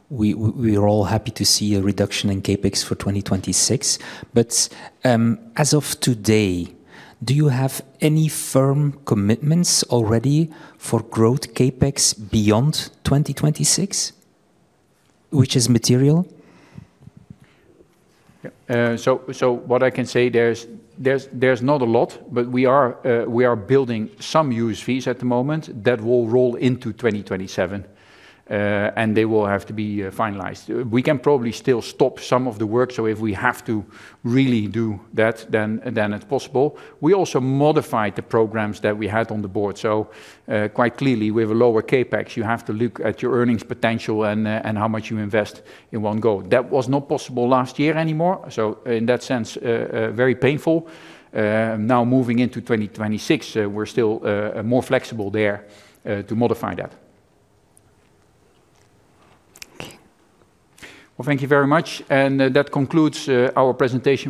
we're all happy to see a reduction in CapEx for 2026, as of today, do you have any firm commitments already for growth CapEx beyond 2026, which is material? What I can say, there's not a lot, but we are building some USVs at the moment that will roll into 2027, and they will have to be finalized. We can probably still stop some of the work, if we have to really do that, then it's possible. We also modified the programs that we had on the board, quite clearly, we have a lower CapEx. You have to look at your earnings potential and how much you invest in one go. That was not possible last year anymore, in that sense, very painful. Now moving into 2026, we're still more flexible there to modify that. Thank you very much, that concludes our presentation for—